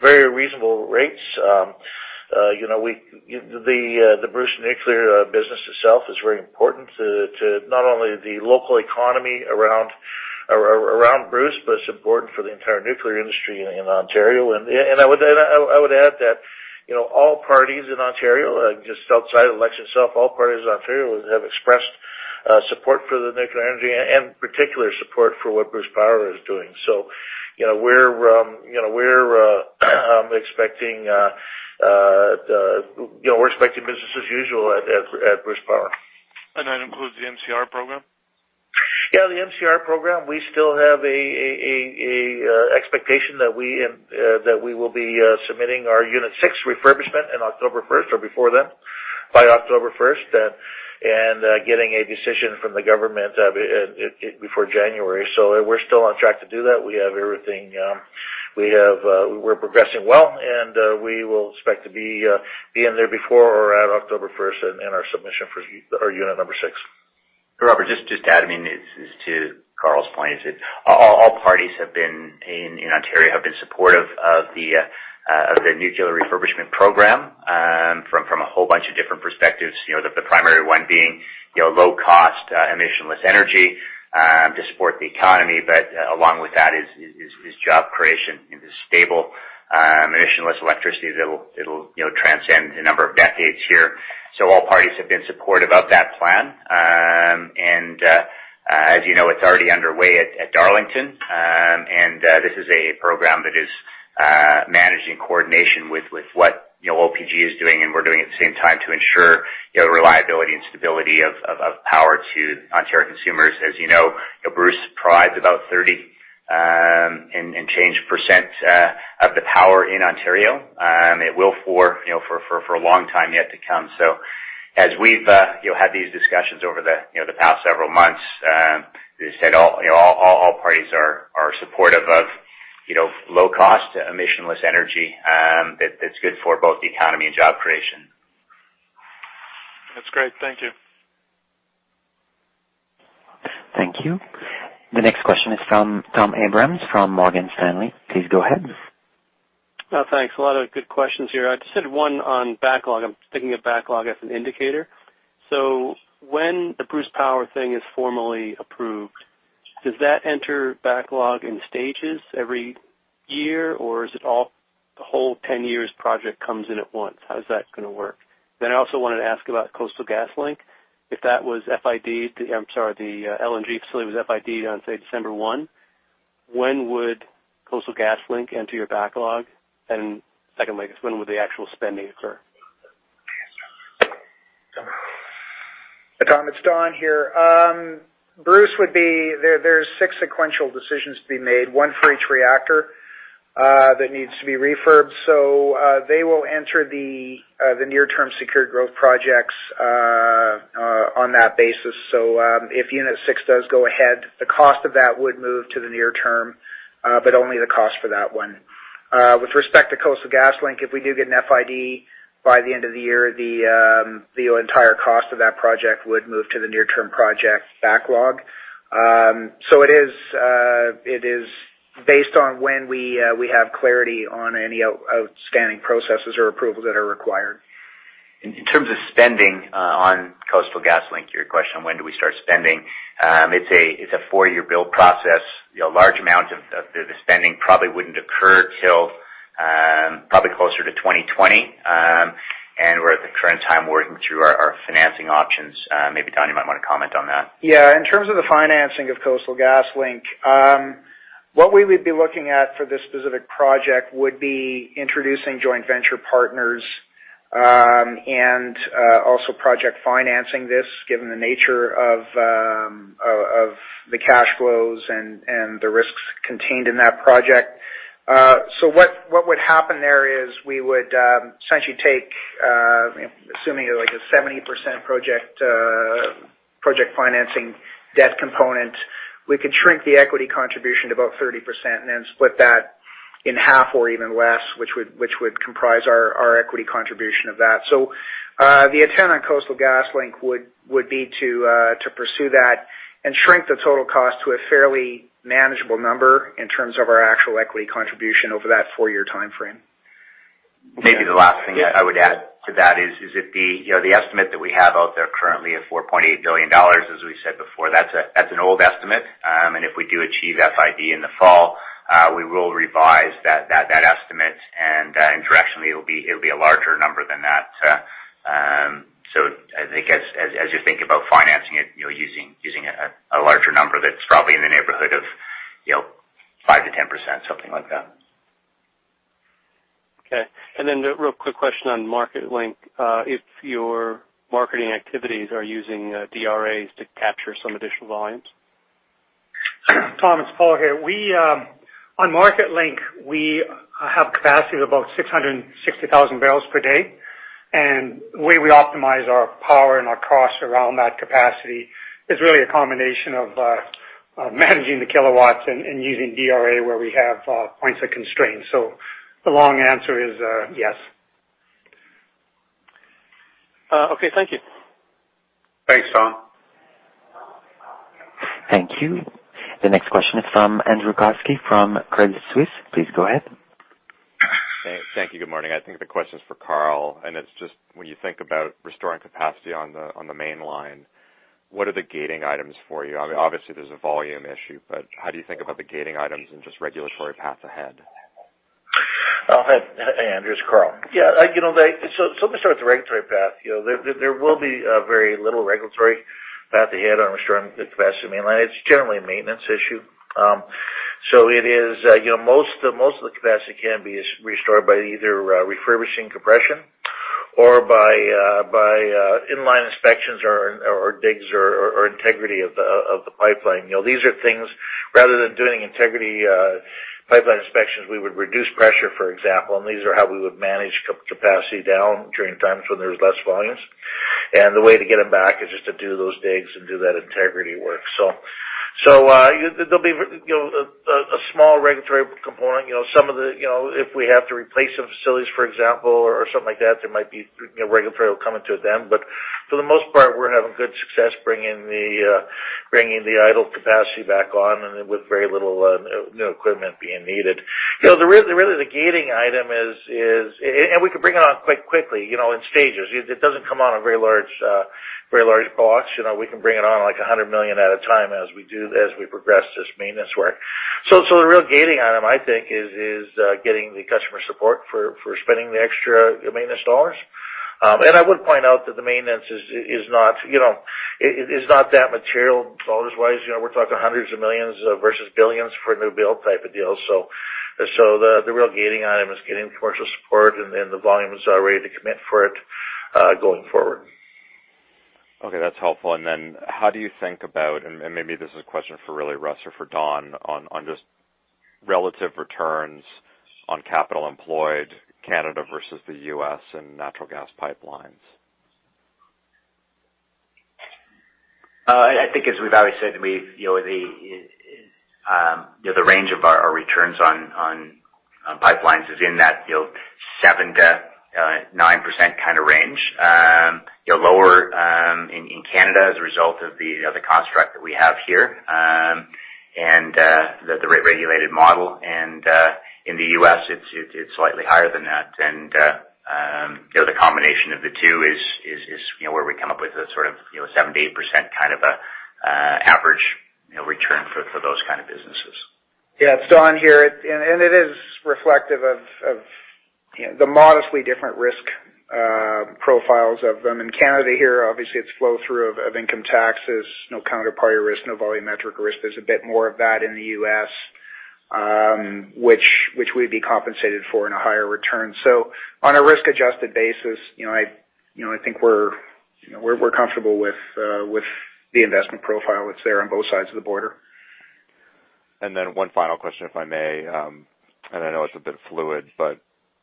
very reasonable rates. The Bruce Nuclear business itself is very important to not only the local economy around Bruce, but it's important for the entire nuclear industry in Ontario. I would add that all parties in Ontario, just outside of election itself, all parties in Ontario have expressed support for the nuclear energy and particular support for what Bruce Power is doing. We're expecting business as usual at Bruce Power. That includes the MCR program? The MCR program, we still have an expectation that we will be submitting our Unit 6 refurbishment in October 1st or before then, by October 1st, and getting a decision from the government before January. We're still on track to do that. We're progressing well, and we will expect to be in there before or at October 1st in our submission for our unit number six. Robert, just to add, I mean, this is to Karl's point, all parties in Ontario have been supportive of the Nuclear Refurbishment Program from a whole bunch of different perspectives. The primary one being low cost, emissionless energy to support the economy. Along with that is job creation and this stable emissionless electricity that'll transcend a number of decades here. All parties have been supportive of that plan. As you know, it's already underway at Darlington. This is a program that is managed in coordination with what OPG is doing and we're doing at the same time to ensure reliability and stability of power to Ontario consumers. As you know, Bruce provides about 30 and change% of the power in Ontario. It will for a long time yet to come. As we've had these discussions over the past several months, as I said, all parties are supportive of low cost, emissionless energy that's good for both the economy and job creation. That's great. Thank you. Thank you. The next question is from Tom Abrams from Morgan Stanley. Please go ahead. Thanks. A lot of good questions here. I just had one on backlog. I'm thinking of backlog as an indicator. When the Bruce Power thing is formally approved, does that enter backlog in stages every year, or is it all the whole 10-year project comes in at once? How is that going to work? I also wanted to ask about Coastal GasLink, if that was FID I'm sorry, the LNG facility was FID-ed on, say, December 1, when would Coastal GasLink enter your backlog? Secondly, when would the actual spending occur? Tom, it's Don here. Bruce, there's six sequential decisions to be made, one for each reactor that needs to be refurbed. They will enter the near-term secured growth projects on that basis. If unit 6 does go ahead, the cost of that would move to the near term, but only the cost for that one. With respect to Coastal GasLink, if we do get an FID by the end of the year, the entire cost of that project would move to the near-term project backlog. It is based on when we have clarity on any outstanding processes or approvals that are required. In terms of spending on Coastal GasLink, your question, when do we start spending? It's a four-year build process. A large amount of the spending probably wouldn't occur till probably closer to 2020. We're at the current time working through our financing options. Maybe Don, you might want to comment on that. Yeah. In terms of the financing of Coastal GasLink, what we would be looking at for this specific project would be introducing joint venture partners, and also project financing this, given the nature of the cash flows and the risks contained in that project. What would happen there is we would essentially take, assuming a 70% project financing debt component, we could shrink the equity contribution to about 30% and then split that in half or even less, which would comprise our equity contribution of that. The intent on Coastal GasLink would be to pursue that and shrink the total cost to a fairly manageable number in terms of our actual equity contribution over that four-year timeframe. Maybe the last thing I would add to that is the estimate that we have out there currently of 4.8 billion dollars, as we said before, that's an old estimate. If we do achieve FID in the fall, we will revise that estimate, and directionally, it'll be a larger number than that. I think as you think about financing it, using a larger number that's probably in the neighborhood of 5%-10%, something like that. Okay. Then a real quick question on MarketLink. If your marketing activities are using DRAs to capture some additional volumes. Tom, it's Paul here. On MarketLink, we have capacity of about 660,000 barrels per day, and the way we optimize our power and our costs around that capacity is really a combination of managing the kilowatts and using DRA where we have points of constraint. The long answer is yes. Okay. Thank you. Thanks, Tom. Thank you. The next question is from Andrew Kuske from Credit Suisse. Please go ahead. Thank you. Good morning. I think the question's for Karl, and it's just when you think about restoring capacity on the main line, what are the gating items for you? Obviously, there's a volume issue, but how do you think about the gating items and just regulatory path ahead? Hey, Andrew, it's Karl. Let me start with the regulatory path. There will be very little regulatory path ahead on restoring the capacity of the main line. It's generally a maintenance issue. Most of the capacity can be restored by either refurbishing compression or by inline inspections or digs or integrity of the pipeline. These are things, rather than doing integrity pipeline inspections, we would reduce pressure, for example, and these are how we would manage capacity down during times when there's less volumes. The way to get them back is just to do those digs and do that integrity work. There'll be a small regulatory component. If we have to replace some facilities, for example, or something like that, there might be regulatory will come into it then. For the most part, we're having good success bringing the idle capacity back on and with very little new equipment being needed. Really, the gating item is. We can bring it on quite quickly in stages. It doesn't come on in very large blocks. We can bring it on like 100 million at a time as we progress this maintenance work. The real gating item, I think, is getting the customer support for spending the extra maintenance CAD dollars. I would point out that the maintenance is not that material CAD dollars-wise. We're talking CAD hundreds of millions versus billions for a new build type of deal. The real gating item is getting commercial support and the volumes are ready to commit for it going forward. Okay. That's helpful. How do you think about, and maybe this is a question for really Russ or for Don, on just relative returns on capital employed Canada versus the U.S. in natural gas pipelines. I think as we've always said, the range of our returns on pipelines is in that 7%-9% range. Lower in Canada as a result of the construct that we have here and the rate-regulated model. In the U.S., it's slightly higher than that. The combination of the two is where we come up with a sort of 7%-8% kind of average return for those kind of businesses. Yeah, it is reflective of the modestly different risk profiles of them. In Canada here, obviously, it is flow-through of income taxes, no counterparty risk, no volumetric risk. There is a bit more of that in the U.S. which we would be compensated for in a higher return. On a risk-adjusted basis, I think we are comfortable with the investment profile that is there on both sides of the border. One final question, if I may. I know it is a bit fluid, but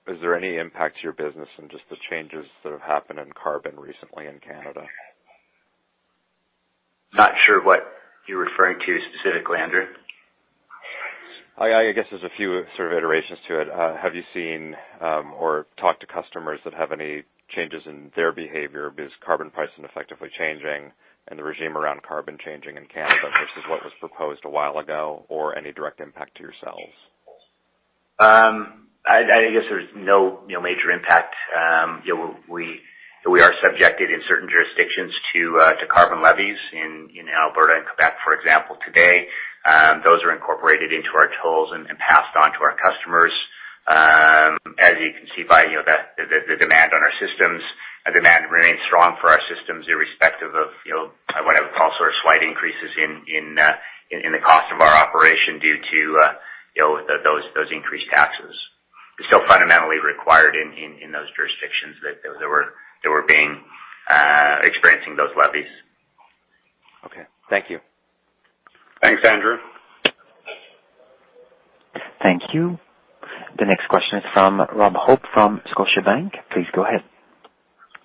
is there any impact to your business in just the changes that have happened in carbon recently in Canada? Not sure what you are referring to specifically, Andrew. I guess there is a few sort of iterations to it. Have you seen or talked to customers that have any changes in their behavior because carbon pricing effectively changing and the regime around carbon changing in Canada versus what was proposed a while ago, or any direct impact to yourselves? I guess there's no major impact. We are subjected in certain jurisdictions to carbon levies in Alberta and Québec, for example, today. Those are incorporated into our tolls and passed on to our customers. As you can see by the demand on our systems, demand remains strong for our systems irrespective of what I would call slight increases in the cost of our operation due to those increased taxes. They're still fundamentally required in those jurisdictions that were experiencing those levies. Okay. Thank you. Thanks, Andrew. Thank you. The next question is from Rob Hope from Scotiabank. Please go ahead.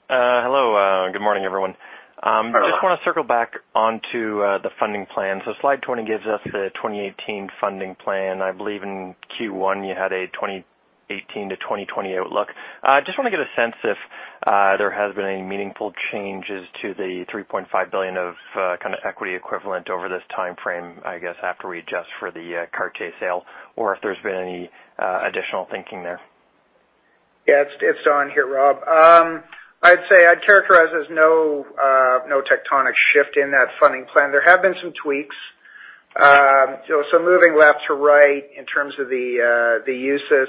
Hello. Good morning, everyone. Rob, how are you? Just want to circle back onto the funding plan. Slide 20 gives us the 2018 funding plan. I believe in Q1 you had a 2018 to 2020 outlook. Just want to get a sense if there has been any meaningful changes to the 3.5 billion of equity equivalent over this timeframe, I guess, after we adjust for the Cartier sale or if there's been any additional thinking there. Yeah. It's Don here, Rob. I'd say I'd characterize there's no tectonic shift in that funding plan. There have been some tweaks. Moving left to right in terms of the uses,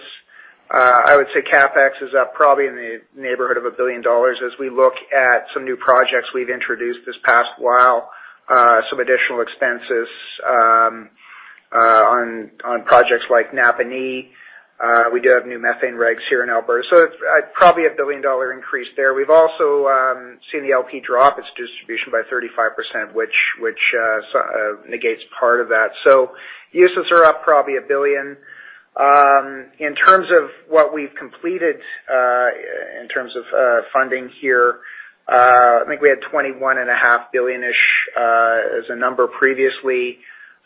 I would say CapEx is up probably in the neighborhood of 1 billion dollars as we look at some new projects we've introduced this past while, some additional expenses on projects like Napanee. We do have new methane regs here in Alberta, probably a 1 billion-dollar increase there. We've also seen the LP drop its distribution by 35%, which negates part of that. Uses are up probably 1 billion. In terms of what we've completed in terms of funding here, I think we had 21.5 billion-ish as a number previously.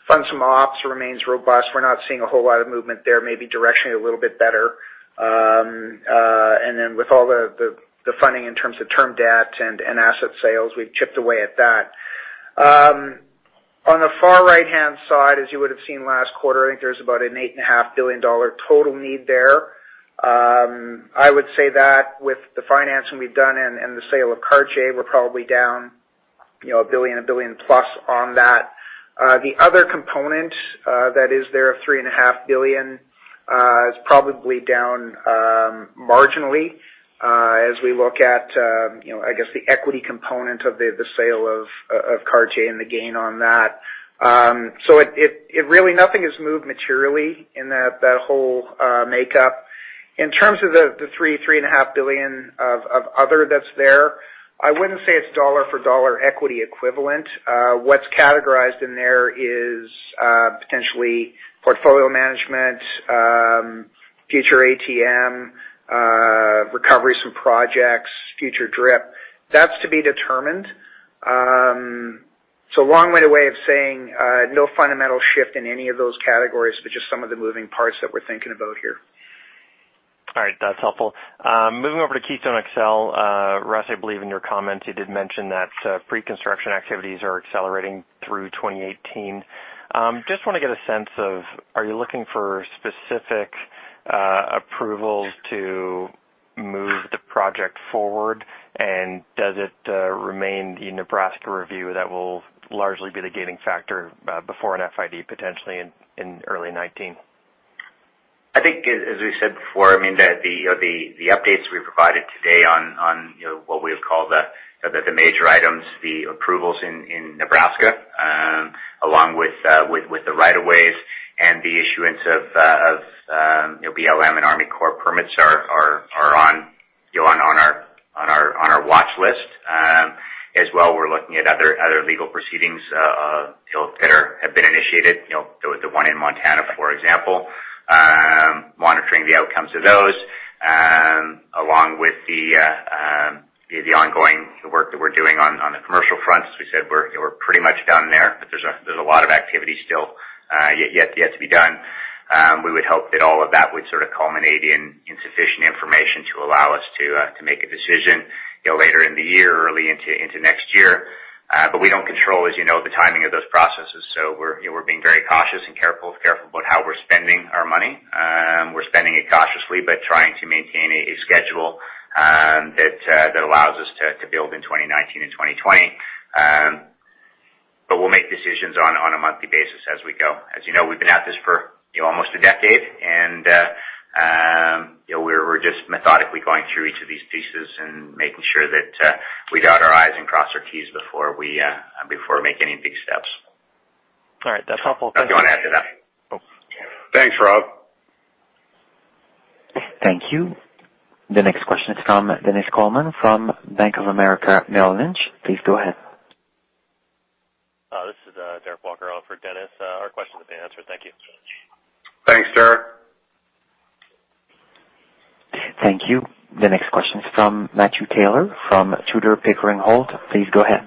Funds from ops remains robust. We're not seeing a whole lot of movement there, maybe directionally a little bit better. With all the funding in terms of term debt and asset sales, we've chipped away at that. On the far right-hand side, as you would've seen last quarter, I think there's about a 8.5 billion dollar total need there. I would say that with the financing we've done and the sale of Cartier, we're probably down 1 billion, 1 billion plus on that. The other component that is there of 3.5 billion is probably down marginally as we look at, I guess, the equity component of the sale of Cartier and the gain on that. Really nothing has moved materially in that whole makeup. In terms of the 3 billion, 3.5 billion of other that's there, I wouldn't say it's dollar for dollar equity equivalent. What's categorized in there is potentially portfolio management, future ATM, recovery from projects, future DRIP. That's to be determined. Long-winded way of saying no fundamental shift in any of those categories, just some of the moving parts that we're thinking about here. All right. That's helpful. Moving over to Keystone XL. Russ, I believe in your comments you did mention that pre-construction activities are accelerating through 2018. Just want to get a sense of, are you looking for specific approvals to move the project forward? Does it remain the Nebraska review that will largely be the gating factor before an FID potentially in early 2019? I think as we said before, the updates we provided today on what we have called the major items, the approvals in Nebraska along with the right of ways and the issuance of BLM and Army Corps permits are on our watch list. As well, we're looking at other legal proceedings that have been initiated, the one in Montana, for example, monitoring the outcomes of those along with the ongoing work that we're doing on the commercial fronts. We said we're a lot of activity still yet to be done. We would hope that all of that would sort of culminate in sufficient information to allow us to make a decision later in the year, early into next year. We don't control, as you know, the timing of those processes, so we're being very cautious and careful about how we're spending our money. We're spending it cautiously, trying to maintain a schedule that allows us to build in 2019 and 2020. We'll make decisions on a monthly basis as we go. As you know, we've been at this for almost a decade, and we're just methodically going through each of these pieces and making sure that we dot our I's and cross our T's before we make any big steps. All right. That's helpful. Thank you. If you want to add to that. Thanks, Rob. Thank you. The next question is from Dennis Coleman from Bank of America Merrill Lynch. Please go ahead. This is Derek Walker on for Dennis. Our question has been answered. Thank you. Thanks, Derek. Thank you. The next question is from Matthew Taylor from Tudor, Pickering Holt. Please go ahead.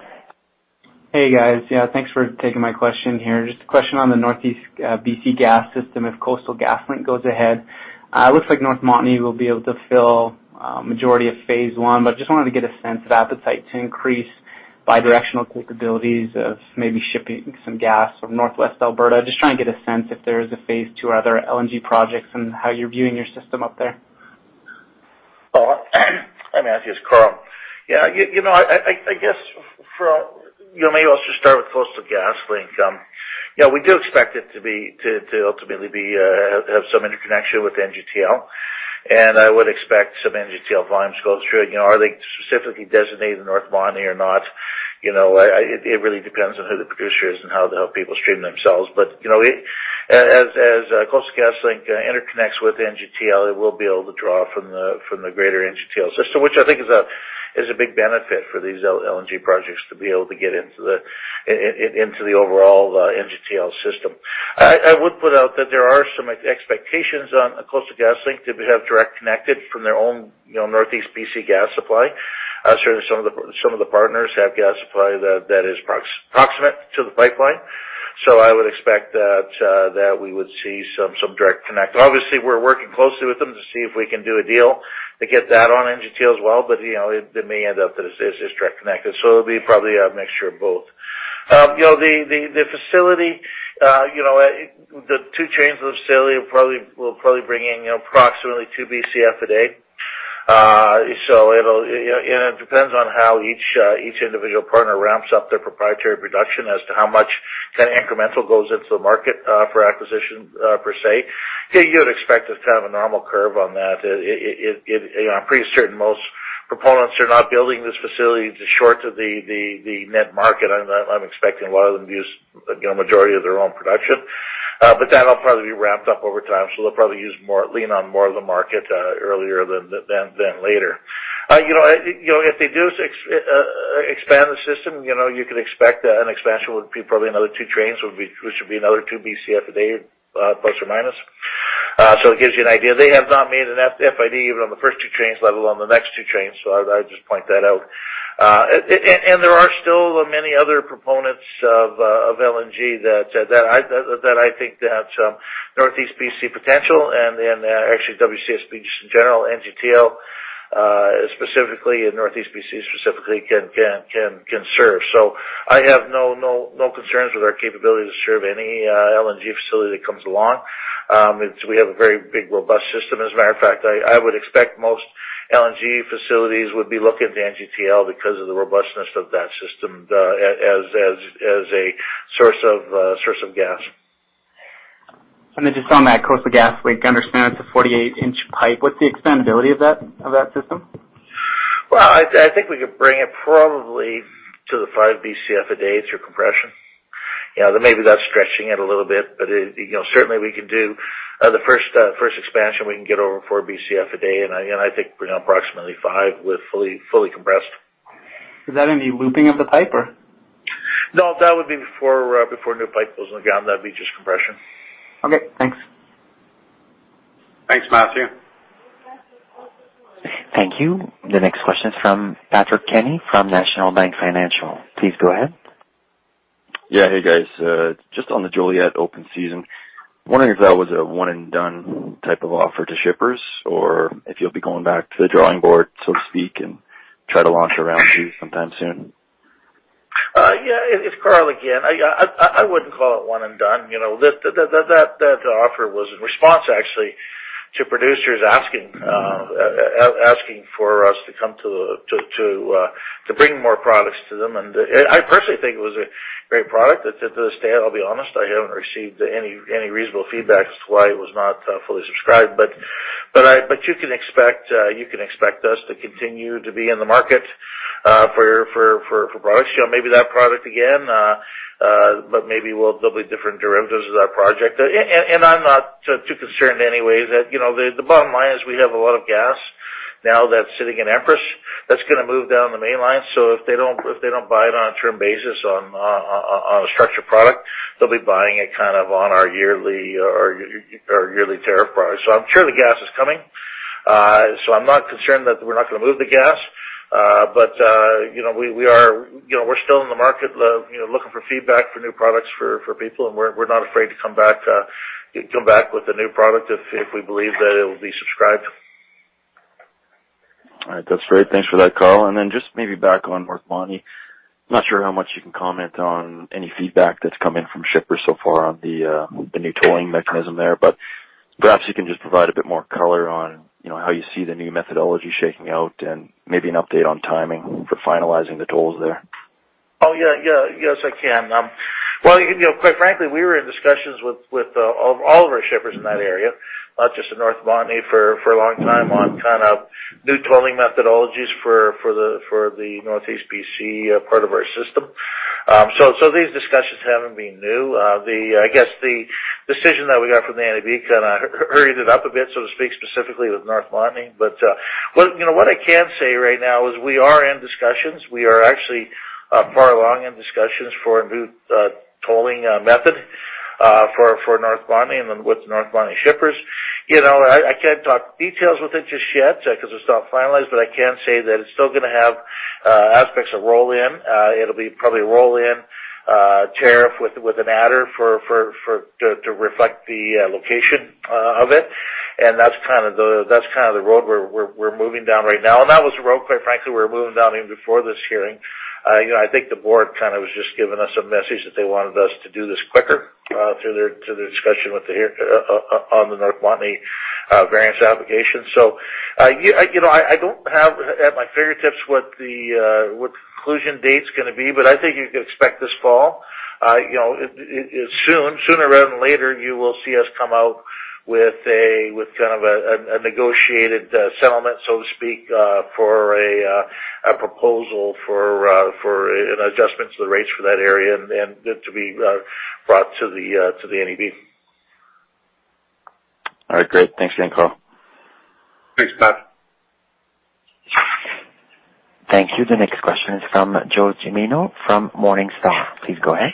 Hey, guys. Thanks for taking my question here. Just a question on the Northeast BC gas system. If Coastal GasLink goes ahead, it looks like North Montney will be able to fill majority of phase 1, but just wanted to get a sense of appetite to increase bi-directional capabilities of maybe shipping some gas from Northwest Alberta. Just trying to get a sense if there is a phase 2 or other LNG projects and how you're viewing your system up there. Hi, Matthew, it's Karl. I guess maybe I'll just start with Coastal GasLink. We do expect it to ultimately have some interconnection with NGTL. I would expect some NGTL volumes going through it. Are they specifically designated North Montney or not? It really depends on who the producer is and how people stream themselves. As Coastal GasLink interconnects with NGTL, it will be able to draw from the greater NGTL system, which I think is a big benefit for these LNG projects to be able to get into the overall NGTL system. I would put out that there are some expectations on Coastal GasLink to have direct connected from their own Northeast BC gas supply. Certainly, some of the partners have gas supply that is proximate to the pipeline. I would expect that we would see some direct connect. Obviously, we're working closely with them to see if we can do a deal to get that on NGTL as well. It may end up that it's just direct connected. It'll be probably a mixture of both. The two chains of the facility will probably bring in approximately 2 Bcf a day. It depends on how each individual partner ramps up their proprietary production as to how much incremental goes into the market for acquisition per se. You would expect us to have a normal curve on that. I'm pretty certain most proponents are not building this facility to short to the net market. I'm expecting a lot of them to use majority of their own production. That'll probably be ramped up over time. They'll probably lean on more of the market earlier than later. If they do expand the system, you could expect an expansion would be probably another 2 trains, which would be another 2 Bcf a day, plus or minus. It gives you an idea. They have not made an FID even on the first 2 trains, let alone the next 2 trains. I'd just point that out. There are still many other proponents of LNG that I think that Northeast BC potential and actually WCSB just in general, NGTL specifically, and Northeast BC specifically can serve. I have no concerns with our capability to serve any LNG facility that comes along. We have a very big, robust system. As a matter of fact, I would expect most LNG facilities would be looking to NGTL because of the robustness of that system as a source of gas. Just on that Coastal GasLink, I understand it's a 48-inch pipe. What's the expandability of that system? Well, I think we could bring it probably to the five Bcf a day through compression. Maybe that's stretching it a little bit, but certainly we can do the first expansion, we can get over four Bcf a day, and I think we're now approximately five with fully compressed. Is that any looping of the pipe? No, that would be before a new pipe goes in the ground. That'd be just compression. Okay, thanks. Thanks, Matthew. Thank you. The next question is from Patrick Kenny from National Bank Financial. Please go ahead. Yeah. Hey, guys. Just on theJoliet open season, wondering if that was a one and done type of offer to shippers or if you'll be going back to the drawing board, so to speak, and try to launch a round two sometime soon. It's Karl again. I wouldn't call it one and done. That offer was in response, actually, to producers asking for us to bring more products to them. I personally think it was a great product. To this day, I'll be honest, I haven't received any reasonable feedback as to why it was not fully subscribed. You can expect us to continue to be in the market for products. Maybe that product again, maybe there'll be different derivatives of that project. I'm not too concerned anyway. The bottom line is we have a lot of gas now that's sitting in Empress that's going to move down the main line, if they don't buy it on a term basis on a structured product, they'll be buying it on our yearly tariff price. I'm sure the gas is coming. I'm not concerned that we're not going to move the gas. We're still in the market, looking for feedback for new products for people, and we're not afraid to come back with a new product if we believe that it will be subscribed. All right. That's great. Thanks for that, Karl. Just maybe back on North Montney. I'm not sure how much you can comment on any feedback that's come in from shippers so far on the new tolling mechanism there, perhaps you can just provide a bit more color on how you see the new methodology shaking out and maybe an update on timing for finalizing the tolls there. Yes, I can. Well, quite frankly, we were in discussions with all of our shippers in that area, not just in North Montney, for a long time on new tolling methodologies for the Northeast B.C. part of our system. These discussions haven't been new. I guess the decision that we got from the NEB kind of hurried it up a bit, so to speak, specifically with North Montney. What I can say right now is we are in discussions. We are actually far along in discussions for a new tolling method for North Montney and with North Montney shippers. I can't talk details with it just yet, because it's not finalized, I can say that it's still going to have aspects of roll-in. It'll be probably a roll-in tariff with an adder to reflect the location of it, and that's the road we're moving down right now, and that was the road, quite frankly, we were moving down even before this hearing. I think the board was just giving us a message that they wanted us to do this quicker to the discussion on the North Montney variance application. I don't have at my fingertips what the conclusion date's going to be, but I think you can expect this fall. Soon, sooner rather than later, you will see us come out with a negotiated settlement, so to speak, for a proposal for an adjustment to the rates for that area and then to be brought to the NEB. All right, great. Thanks again, Karl. Thanks, Patrick. Thank you. The next question is from Joe Cimino from Morningstar. Please go ahead.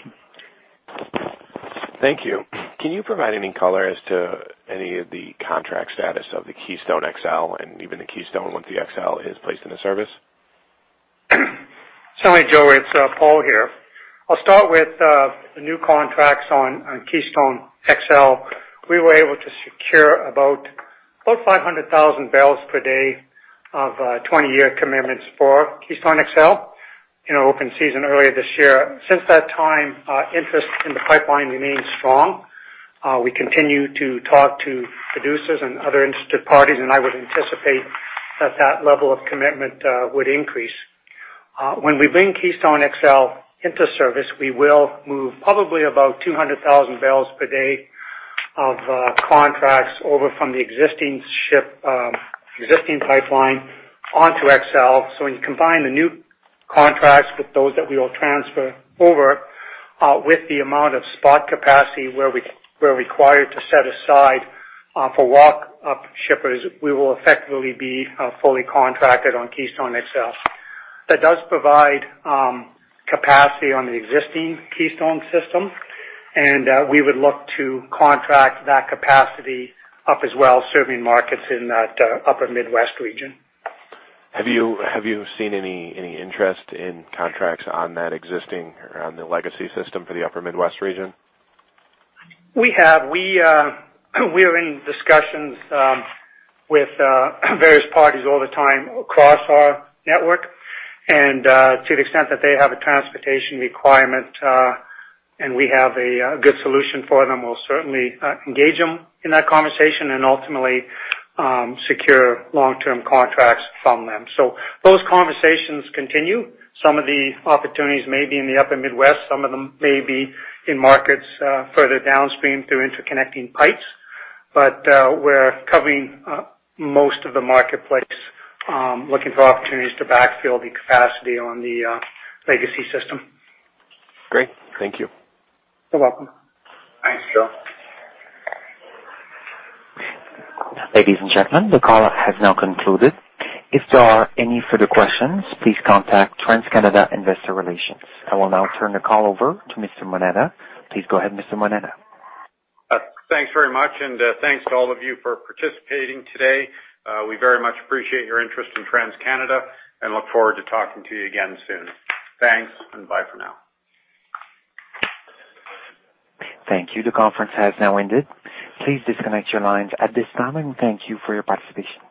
Thank you. Can you provide any color as to any of the contract status of the Keystone XL and even the Keystone once the XL is placed into service? Sorry, Joe, it's Paul here. I'll start with the new contracts on Keystone XL. We were able to secure about 500,000 barrels per day of 20-year commitments for Keystone XL in open season earlier this year. Since that time, interest in the pipeline remains strong. We continue to talk to producers and other interested parties, I would anticipate that that level of commitment would increase. When we bring Keystone XL into service, we will move probably about 200,000 barrels per day of contracts over from the existing pipeline onto XL. When you combine the new contracts with those that we will transfer over with the amount of spot capacity where we're required to set aside for walk-up shippers, we will effectively be fully contracted on Keystone XL. That does provide capacity on the existing Keystone system, and we would look to contract that capacity up as well, serving markets in that upper Midwest region. Have you seen any interest in contracts on that existing, on the legacy system for the upper Midwest region? We have. We're in discussions with various parties all the time across our network, and to the extent that they have a transportation requirement and we have a good solution for them, we'll certainly engage them in that conversation and ultimately secure long-term contracts from them. Those conversations continue. Some of the opportunities may be in the upper Midwest, some of them may be in markets further downstream through interconnecting pipes. We're covering most of the marketplace, looking for opportunities to backfill the capacity on the legacy system. Great. Thank you. You're welcome. Thanks, Joe. Ladies and gentlemen, the call has now concluded. If there are any further questions, please contact TransCanada Investor Relations. I will now turn the call over to Mr. Moneta. Please go ahead, Mr. Moneta. Thanks very much. Thanks to all of you for participating today. We very much appreciate your interest in TransCanda and look forward to talking to you again soon. Thanks. Bye for now. Thank you. The conference has now ended. Please disconnect your lines at this time. Thank you for your participation.